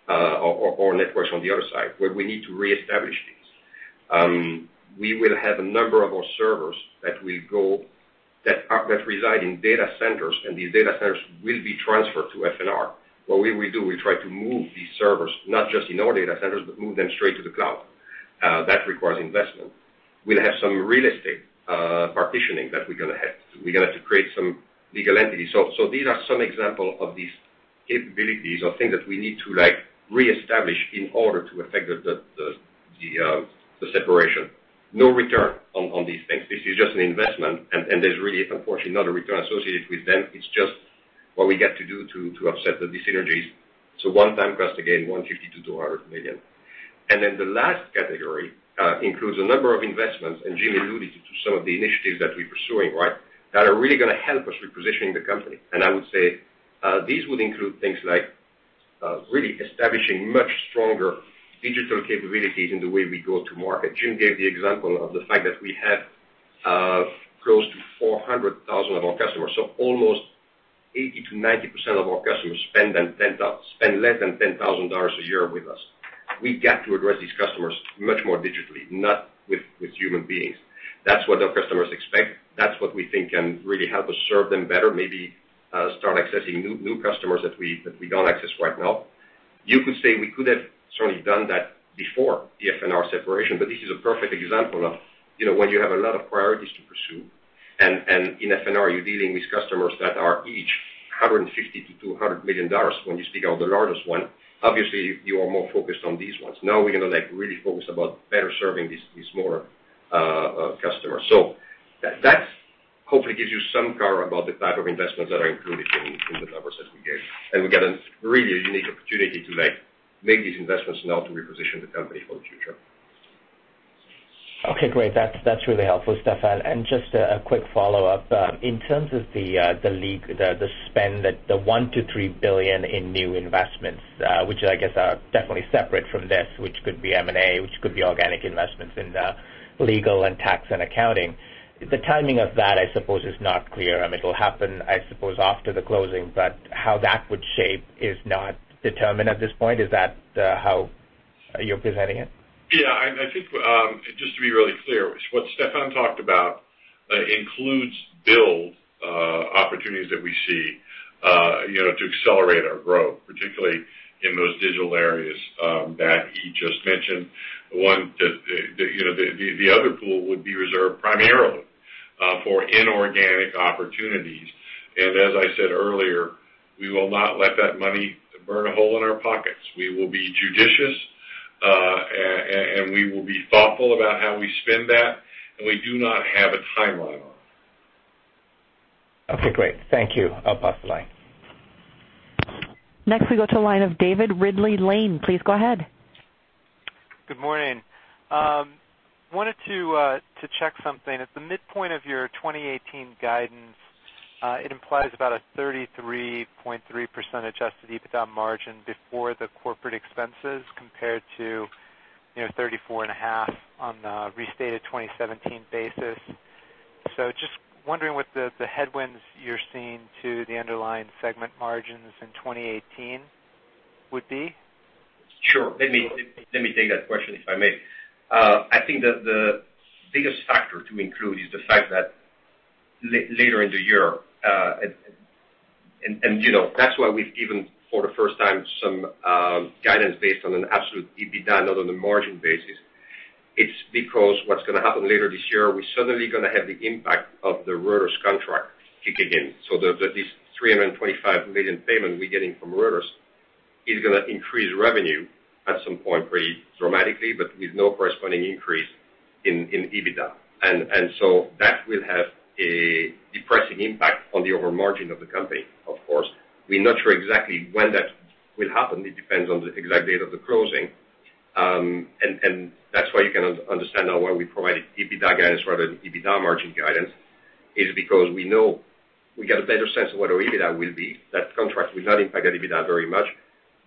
our networks on the other side, where we need to reestablish these. We will have a number of our servers that will go that reside in data centers, and these data centers will be transferred to F&R. What we will do, we'll try to move these servers, not just in our data centers, but move them straight to the cloud. That requires investment. We'll have some real estate partitioning that we're going to have to do. We're going to have to create some legal entities. So these are some examples of these capabilities or things that we need to reestablish in order to affect the separation. No return on these things. This is just an investment, and there's really, unfortunately, not a return associated with them. It's just what we get to do to offset the dissynergies. So one-time cost again, $150 million-$200 million. And then the last category includes a number of investments, and Jim alluded to some of the initiatives that we're pursuing, right, that are really going to help us reposition the company. And I would say these would include things like really establishing much stronger digital capabilities in the way we go to market. Jim gave the example of the fact that we have close to 400,000 of our customers. So almost 80%-90% of our customers spend less than $10,000 a year with us. We get to address these customers much more digitally, not with human beings. That's what our customers expect. That's what we think can really help us serve them better, maybe start accessing new customers that we don't access right now. You could say we could have certainly done that before the F&R separation, but this is a perfect example of when you have a lot of priorities to pursue, and in F&R, you're dealing with customers that are each $150 million-$200 million when you speak of the largest one. Obviously, you are more focused on these ones. Now we're going to really focus about better serving these smaller customers. So that hopefully gives you some color about the type of investments that are included in the numbers that we gave. And we got a really unique opportunity to make these investments now to reposition the company for the future. Okay. Great. That's really helpful, Stephane. And just a quick follow-up. In terms of the spend, the $1 billion-$3 billion in new investments, which I guess are definitely separate from this, which could be M&A, which could be organic investments in Legal and Tax & Accounting, the timing of that, I suppose, is not clear. It'll happen, I suppose, after the closing, but how that would shape is not determined at this point. Is that how you're presenting it? Yeah. I think just to be really clear, what Stephane talked about includes build opportunities that we see to accelerate our growth, particularly in those digital areas that he just mentioned. The other pool would be reserved primarily for inorganic opportunities. And as I said earlier, we will not let that money burn a hole in our pockets. We will be judicious, and we will be thoughtful about how we spend that, and we do not have a timeline on it. Okay. Great. Thank you. I'll pass the line. Next, we go to a line of David Ridley-Lane. Please go ahead. Good morning. Wanted to check something. At the midpoint of your 2018 guidance, it implies about a 33.3% Adjusted EBITDA margin before the corporate expenses compared to 34.5% on the restated 2017 basis. So just wondering what the headwinds you're seeing to the underlying segment margins in 2018 would be? Sure. Let me take that question, if I may. I think the biggest factor to include is the fact that later in the year, and that's why we've given for the first time some guidance based on an absolute EBITDA not on a margin basis, it's because what's going to happen later this year, we're suddenly going to have the impact of the Reuters contract kicking in. So this $325 million payment we're getting from Reuters is going to increase revenue at some point pretty dramatically, but with no corresponding increase in EBITDA. And so that will have a depressing impact on the overall margin of the company, of course. We're not sure exactly when that will happen. It depends on the exact date of the closing. That's why you can understand now why we provided EBITDA guidance rather than EBITDA margin guidance, is because we know we get a better sense of what our EBITDA will be. That contract will not impact that EBITDA very much,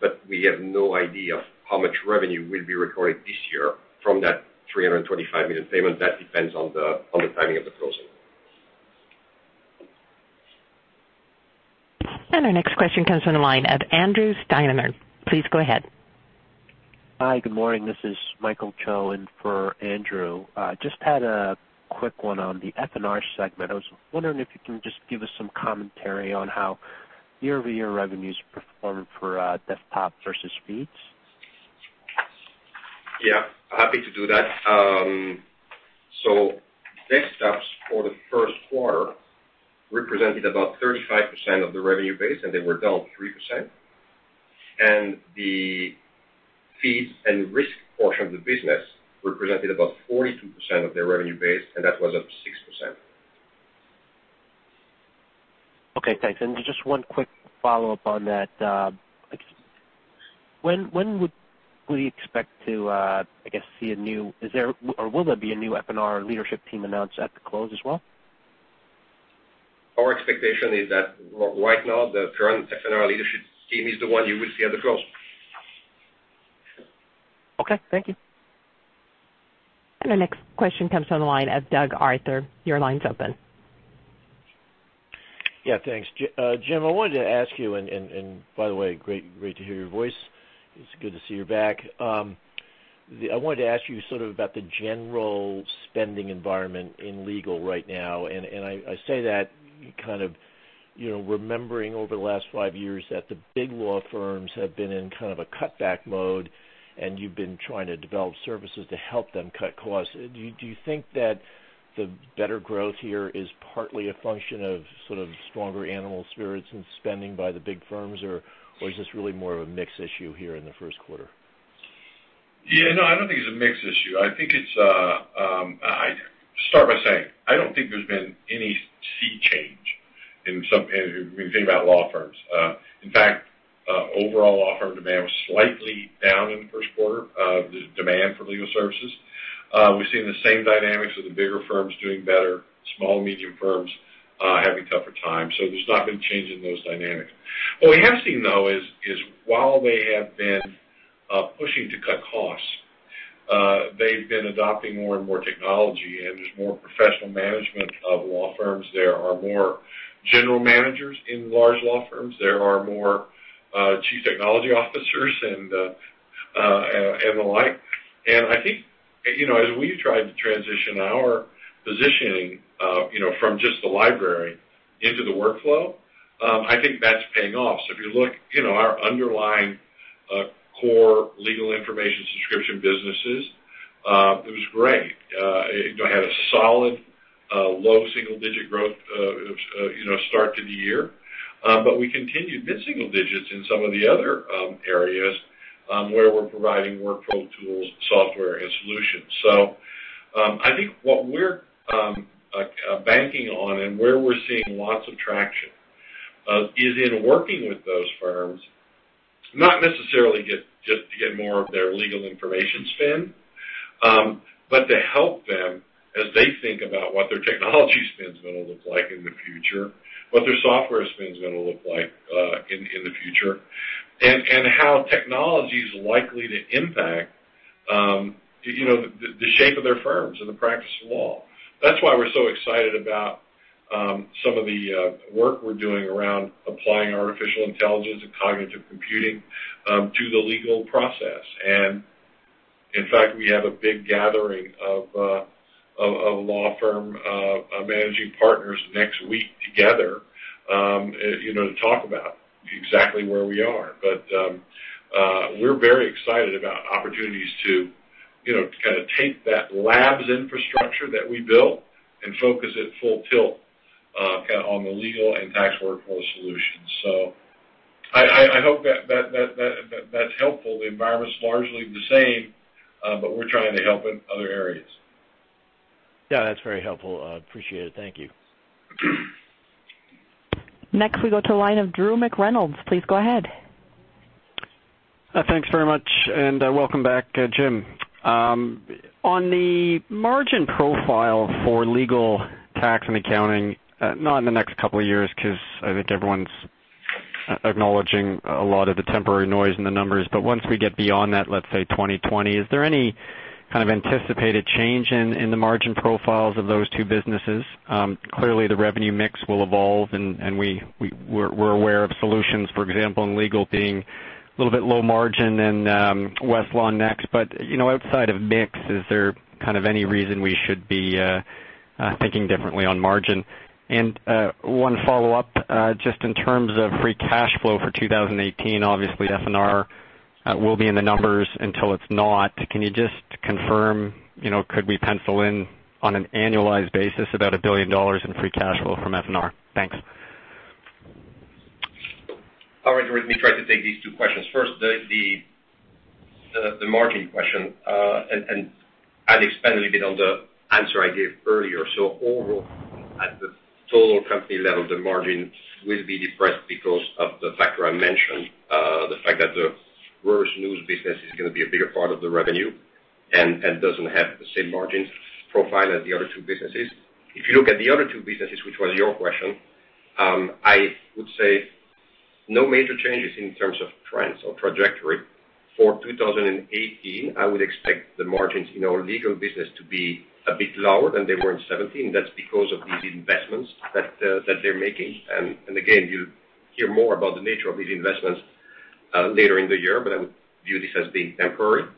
but we have no idea of how much revenue will be recorded this year from that $325 million payment. That depends on the timing of the closing. Our next question comes from the line of Andrew Steinerman. Please go ahead. Hi. Good morning. This is Michael Cho in for Andrew. Just had a quick one on the F&R segment. I was wondering if you can just give us some commentary on how year-over-year revenues perform for desktop versus feeds. Yeah. Happy to do that. Desktops for the first quarter represented about 35% of the revenue base, and they were down 3%. The Feeds and Risk portion of the business represented about 42% of their revenue base, and that was up 6%. Okay. Thanks. And just one quick follow-up on that. When would we expect to, I guess, see a new or will there be a new F&R leadership team announced at the close as well? Our expectation is that right now the current F&R leadership team is the one you will see at the close. Okay. Thank you. Our next question comes from the line of Doug Arthur. Your line's open. Yeah. Thanks. Jim, I wanted to ask you and by the way, great to hear your voice. It's good to see you're back. I wanted to ask you sort of about the general spending environment in Legal right now. I say that kind of remembering over the last five years that the big law firms have been in kind of a cutback mode, and you've been trying to develop services to help them cut costs. Do you think that the better growth here is partly a function of sort of stronger animal spirits and spending by the big firms, or is this really more of a mixed issue here in the first quarter? Yeah. No, I don't think it's a mixed issue. I think it's—I start by saying I don't think there's been any sea change when you think about law firms. In fact, overall law firm demand was slightly down in the first quarter, the demand for legal services. We've seen the same dynamics with the bigger firms doing better, small and medium firms having tougher times. So there's not been a change in those dynamics. What we have seen, though, is while they have been pushing to cut costs, they've been adopting more and more technology, and there's more professional management of law firms. There are more general managers in large law firms. There are more chief technology officers and the like. And I think as we've tried to transition our positioning from just the library into the workflow, I think that's paying off. So if you look at our underlying core Legal information subscription businesses, it was great. It had a solid low single-digit growth start to the year. But we continued mid-single digits in some of the other areas where we're providing workflow tools, software, and solutions. So I think what we're banking on and where we're seeing lots of traction is in working with those firms, not necessarily just to get more of their Legal information spend, but to help them as they think about what their technology spend's going to look like in the future, what their software spend's going to look like in the future, and how technology's likely to impact the shape of their firms and the practice of law. That's why we're so excited about some of the work we're doing around applying artificial intelligence and cognitive computing to the legal process. And in fact, we have a big gathering of law firm managing partners next week together to talk about exactly where we are. But we're very excited about opportunities to kind of take that labs infrastructure that we built and focus it full tilt on the Legal and Tax workforce solutions. So I hope that that's helpful. The environment's largely the same, but we're trying to help in other areas. Yeah. That's very helpful. Appreciate it. Thank you. Next, we go to a line of Drew McReynolds. Please go ahead. Thanks very much. And welcome back, Jim. On the margin profile for Legal, Tax & Accounting, not in the next couple of years because I think everyone's acknowledging a lot of the temporary noise and the numbers. But once we get beyond that, let's say 2020, is there any kind of anticipated change in the margin profiles of those two businesses? Clearly, the revenue mix will evolve, and we're aware of solutions, for example, in Legal being a little bit low margin and WestlawNext. But outside of mix, is there kind of any reason we should be thinking differently on margin? And one follow-up, just in terms of free cash flow for 2018, obviously F&R will be in the numbers until it's not. Can you just confirm? Could we pencil in on an annualized basis about $1 billion in free cash flow from F&R? Thanks. I wanted to try to take these two questions. First, the margin question, and I'll expand a little bit on the answer I gave earlier. So overall, at the total company level, the margin will be depressed because of the factor I mentioned, the fact that the Reuters News business is going to be a bigger part of the revenue and doesn't have the same margin profile as the other two businesses. If you look at the other two businesses, which was your question, I would say no major changes in terms of trends or trajectory. For 2018, I would expect the margins in our Legal business to be a bit lower than they were in 2017. That's because of these investments that they're making. And again, you'll hear more about the nature of these investments later in the year, but I would view this as being temporary.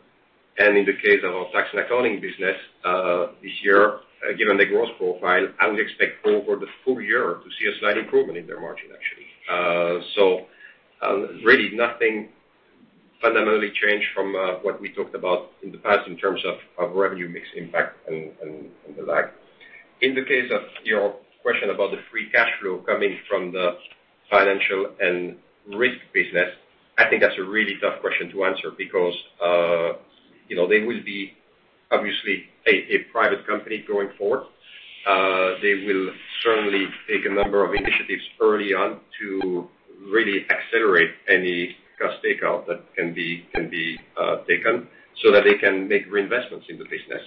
In the case of our Tax & Accounting business this year, given the growth profile, I would expect over the full year to see a slight improvement in their margin, actually. Really, nothing fundamentally changed from what we talked about in the past in terms of revenue mix impact and the like. In the case of your question about the free cash flow coming from the Financial & Risk business, I think that's a really tough question to answer because they will be obviously a private company going forward. They will certainly take a number of initiatives early on to really accelerate any cost takeout that can be taken so that they can make reinvestments in the business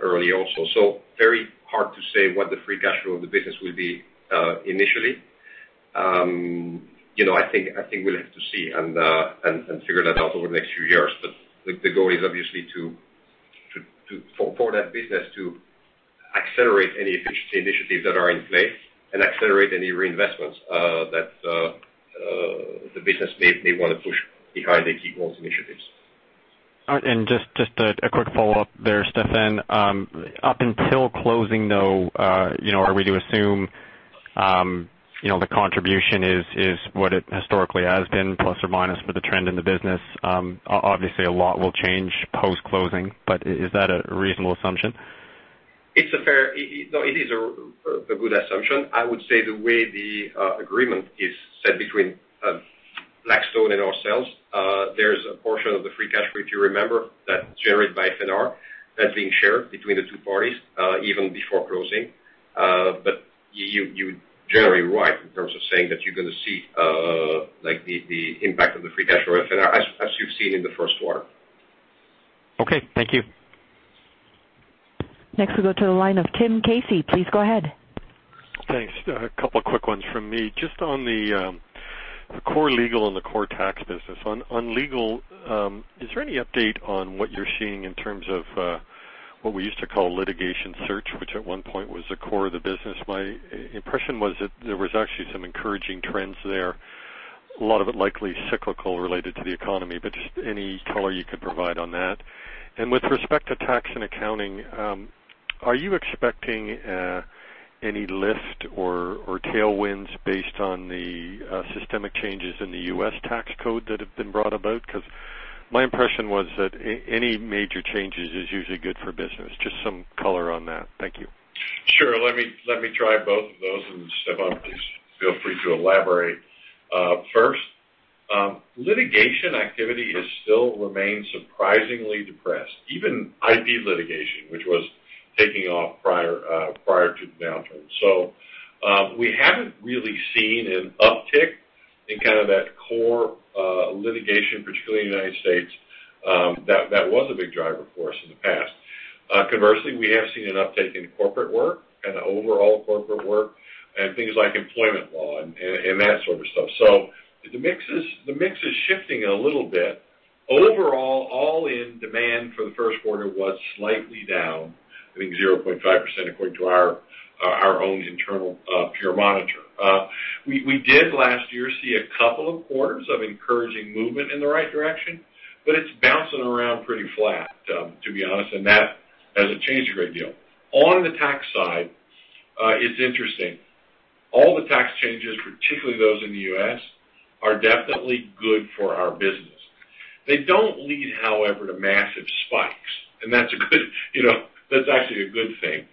early also. Very hard to say what the free cash flow of the business will be initially. I think we'll have to see and figure that out over the next few years. But the goal is obviously for that business to accelerate any initiatives that are in play and accelerate any reinvestments that the business may want to push behind the key growth initiatives. All right. And just a quick follow-up there, Stephane. Up until closing, though, are we to assume the contribution is what it historically has been, plus or minus for the trend in the business? Obviously, a lot will change post-closing, but is that a reasonable assumption? It is a good assumption. I would say the way the agreement is set between Blackstone and ourselves, there's a portion of the free cash flow, if you remember, that's generated by F&R that's being shared between the two parties even before closing. But you're generally right in terms of saying that you're going to see the impact of the free cash flow F&R as you've seen in the first quarter. Okay. Thank you. Next, we go to a line of Tim Casey. Please go ahead. Thanks. A couple of quick ones from me. Just on the core Legal and the core Tax business. On Legal, is there any update on what you're seeing in terms of what we used to call litigation search, which at one point was the core of the business? My impression was that there were actually some encouraging trends there, a lot of it likely cyclical related to the economy, but just any color you could provide on that. And with respect to Tax & Accounting, are you expecting any lift or tailwinds based on the systemic changes in the U.S. tax code that have been brought about? Because my impression was that any major changes is usually good for business. Just some color on that. Thank you. Sure. Let me try both of those and Stephane, please feel free to elaborate. First, litigation activity still remains surprisingly depressed, even IP litigation, which was taking off prior to the downturn. So we haven't really seen an uptick in kind of that core litigation, particularly in the United States. That was a big driver for us in the past. Conversely, we have seen an uptick in corporate work and overall corporate work and things like employment law and that sort of stuff. So the mix is shifting a little bit. Overall, all-in demand for the first quarter was slightly down, I think 0.5% according to our own internal Peer Monitor. We did last year see a couple of quarters of encouraging movement in the right direction, but it's bouncing around pretty flat, to be honest, and that hasn't changed a great deal. On the Tax side, it's interesting. All the tax changes, particularly those in the U.S., are definitely good for our business. They don't lead, however, to massive spikes, and that's actually a good thing.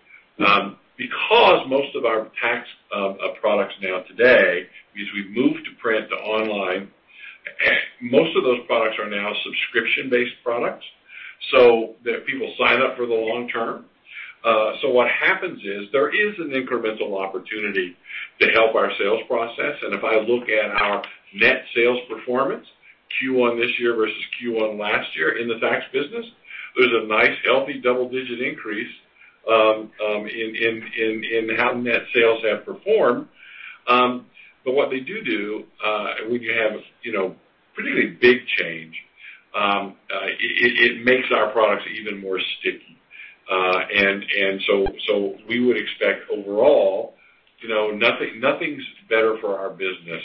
Because most of our Tax products now today, because we've moved to print to online, most of those products are now subscription-based products so that people sign up for the long term. So what happens is there is an incremental opportunity to help our sales process. And if I look at our net sales performance, Q1 this year versus Q1 last year in the Tax business, there's a nice healthy double-digit increase in how net sales have performed. But what they do do when you have a pretty big change, it makes our products even more sticky. And so we would expect overall, nothing's better for our business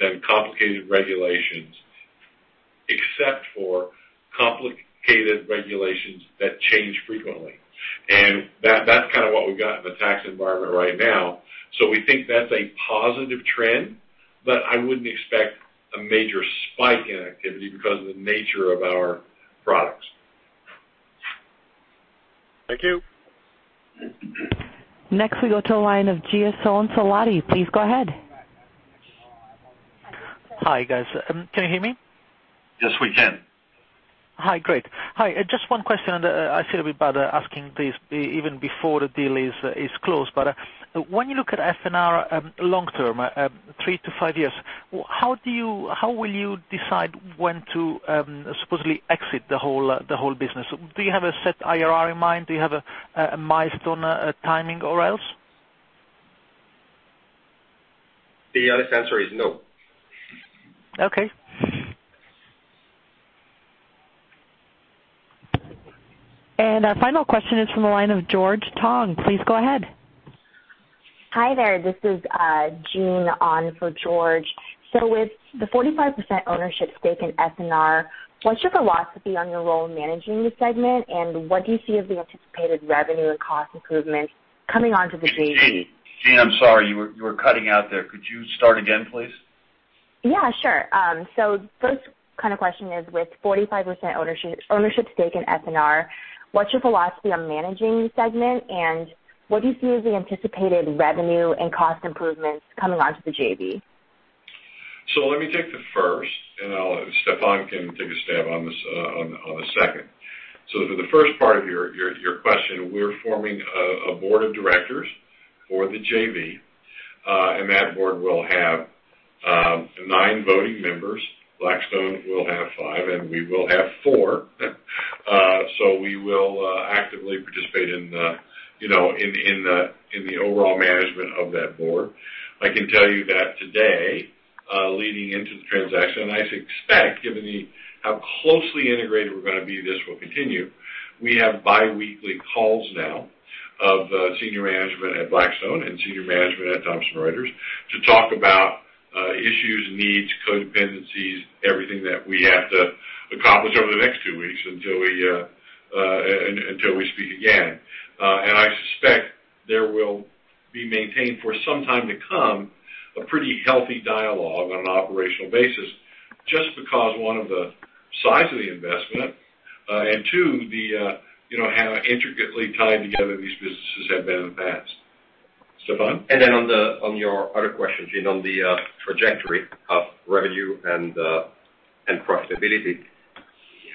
than complicated regulations, except for complicated regulations that change frequently. And that's kind of what we've got in the tax environment right now. So we think that's a positive trend, but I wouldn't expect a major spike in activity because of the nature of our products. Thank you. Next, we go to the line of Giasone Salati. Please go ahead. Hi, guys. Can you hear me? Yes, we can. Hi. Great. Hi. Just one question. I see a bit about asking, please, even before the deal is closed. But when you look at F&R long term, three to five years, how will you decide when to supposedly exit the whole business? Do you have a set IRR in mind? Do you have a milestone timing or else? The honest answer is no. Okay. And our final question is from a line of George Tong. Please go ahead. Hi there. This is Gene on for George. So with the 45% ownership stake in F&R, what's your philosophy on your role managing the segment, and what do you see as the anticipated revenue and cost improvement coming onto the JV? I'm sorry. You were cutting out there. Could you start again, please? Yeah, sure. So first kind of question is, with 45% ownership stake in F&R, what's your philosophy on managing the segment, and what do you see as the anticipated revenue and cost improvements coming onto the JV? So let me take the first, and Stephane can take a stab on the second. So for the first part of your question, we're forming a board of directors for the JV, and that board will have nine voting members. Blackstone will have five, and we will have four. So we will actively participate in the overall management of that board. I can tell you that today, leading into the transaction, and I expect, given how closely integrated we're going to be, this will continue. We have biweekly calls now of senior management at Blackstone and senior management at Thomson Reuters to talk about issues, needs, codependencies, everything that we have to accomplish over the next two weeks until we speak again. And I suspect there will be maintained for some time to come a pretty healthy dialogue on an operational basis just because one of the size of the investment and two, how intricately tied together these businesses have been in the past. Stephane? Then on your other question, on the trajectory of revenue and profitability,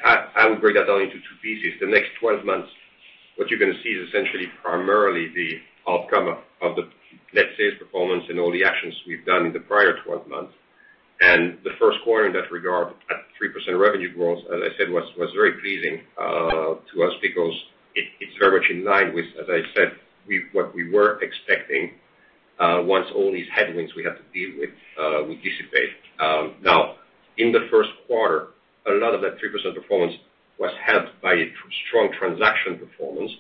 I would break that down into two pieces. The next 12 months, what you're going to see is essentially primarily the outcome of the net sales performance and all the actions we've done in the prior 12 months. The first quarter in that regard, at 3% revenue growth, as I said, was very pleasing to us because it's very much in line with, as I said, what we were expecting once all these headwinds we had to deal with would dissipate. Now, in the first quarter, a lot of that 3% performance was helped by strong transaction performance.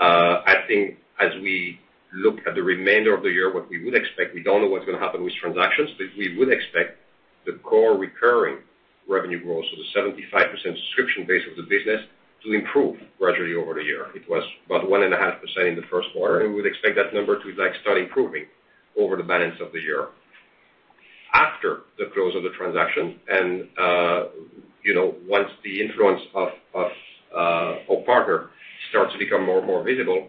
I think as we look at the remainder of the year, what we would expect, we don't know what's going to happen with transactions, but we would expect the core recurring revenue growth, so the 75% subscription base of the business, to improve gradually over the year. It was about 1.5% in the first quarter, and we would expect that number to start improving over the balance of the year. After the close of the transaction, and once the influence of our partner starts to become more visible,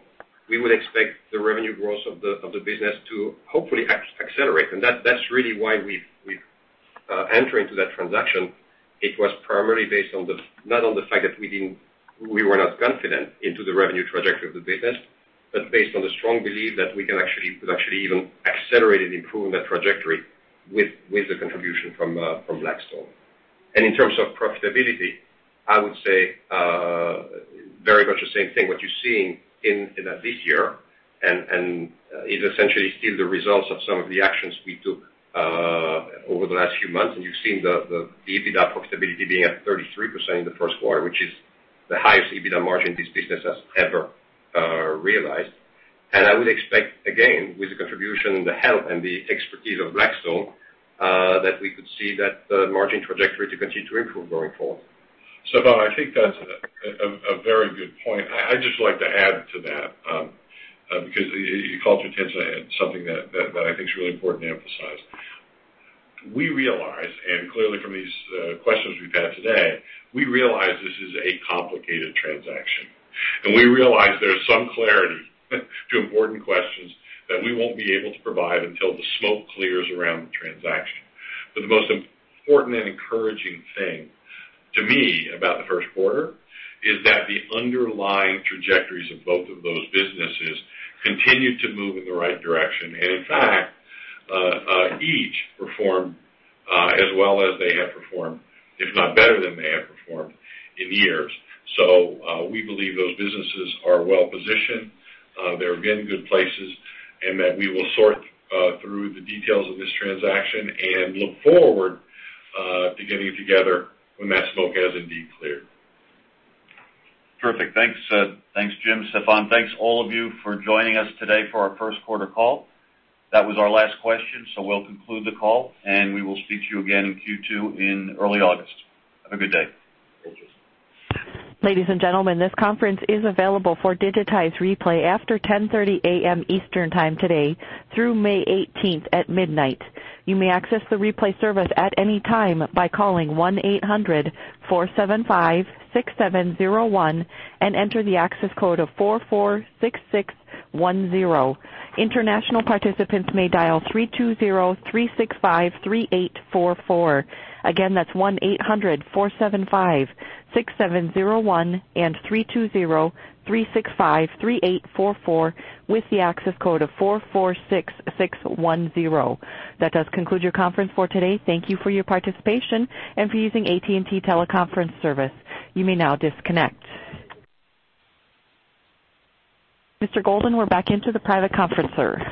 we would expect the revenue growth of the business to hopefully accelerate. And that's really why we've entered into that transaction. It was primarily based on, not on the fact that we were not confident in the revenue trajectory of the business, but based on the strong belief that we can actually even accelerate and improve that trajectory with the contribution from Blackstone. And in terms of profitability, I would say very much the same thing. What you're seeing in this year is essentially still the results of some of the actions we took over the last few months. And you've seen the EBITDA profitability being at 33% in the first quarter, which is the highest EBITDA margin this business has ever realized. And I would expect, again, with the contribution, the help, and the expertise of Blackstone, that we could see that margin trajectory to continue to improve going forward. Stephane, I think that's a very good point. I'd just like to add to that because it called your attention to something that I think is really important to emphasize. We realize, and clearly from these questions we've had today, we realize this is a complicated transaction. And we realize there's some clarity to important questions that we won't be able to provide until the smoke clears around the transaction. But the most important and encouraging thing to me about the first quarter is that the underlying trajectories of both of those businesses continue to move in the right direction. And in fact, each performed as well as they have performed, if not better than they have performed in years. So we believe those businesses are well positioned. They're in good places, and that we will sort through the details of this transaction and look forward to getting it together when that smoke has indeed cleared. Perfect. Thanks, Jim. Stephane, thanks all of you for joining us today for our first quarter call. That was our last question, so we'll conclude the call, and we will speak to you again in Q2 in early August. Have a good day. Thank you. Ladies and gentlemen, this conference is available for digitized replay after 10:30 A.M. Eastern Time today through May 18th at midnight. You may access the replay service at any time by calling 1-800-475-6701 and enter the access code of 446610. International participants may dial 320-365-3844. Again, that's 1-800-475-6701 and 320-365-3844 with the access code of 446610. That does conclude your conference for today. Thank you for your participation and for using AT&T Teleconference Service. You may now disconnect. Mr. Golden, we're back into the private conference, sir.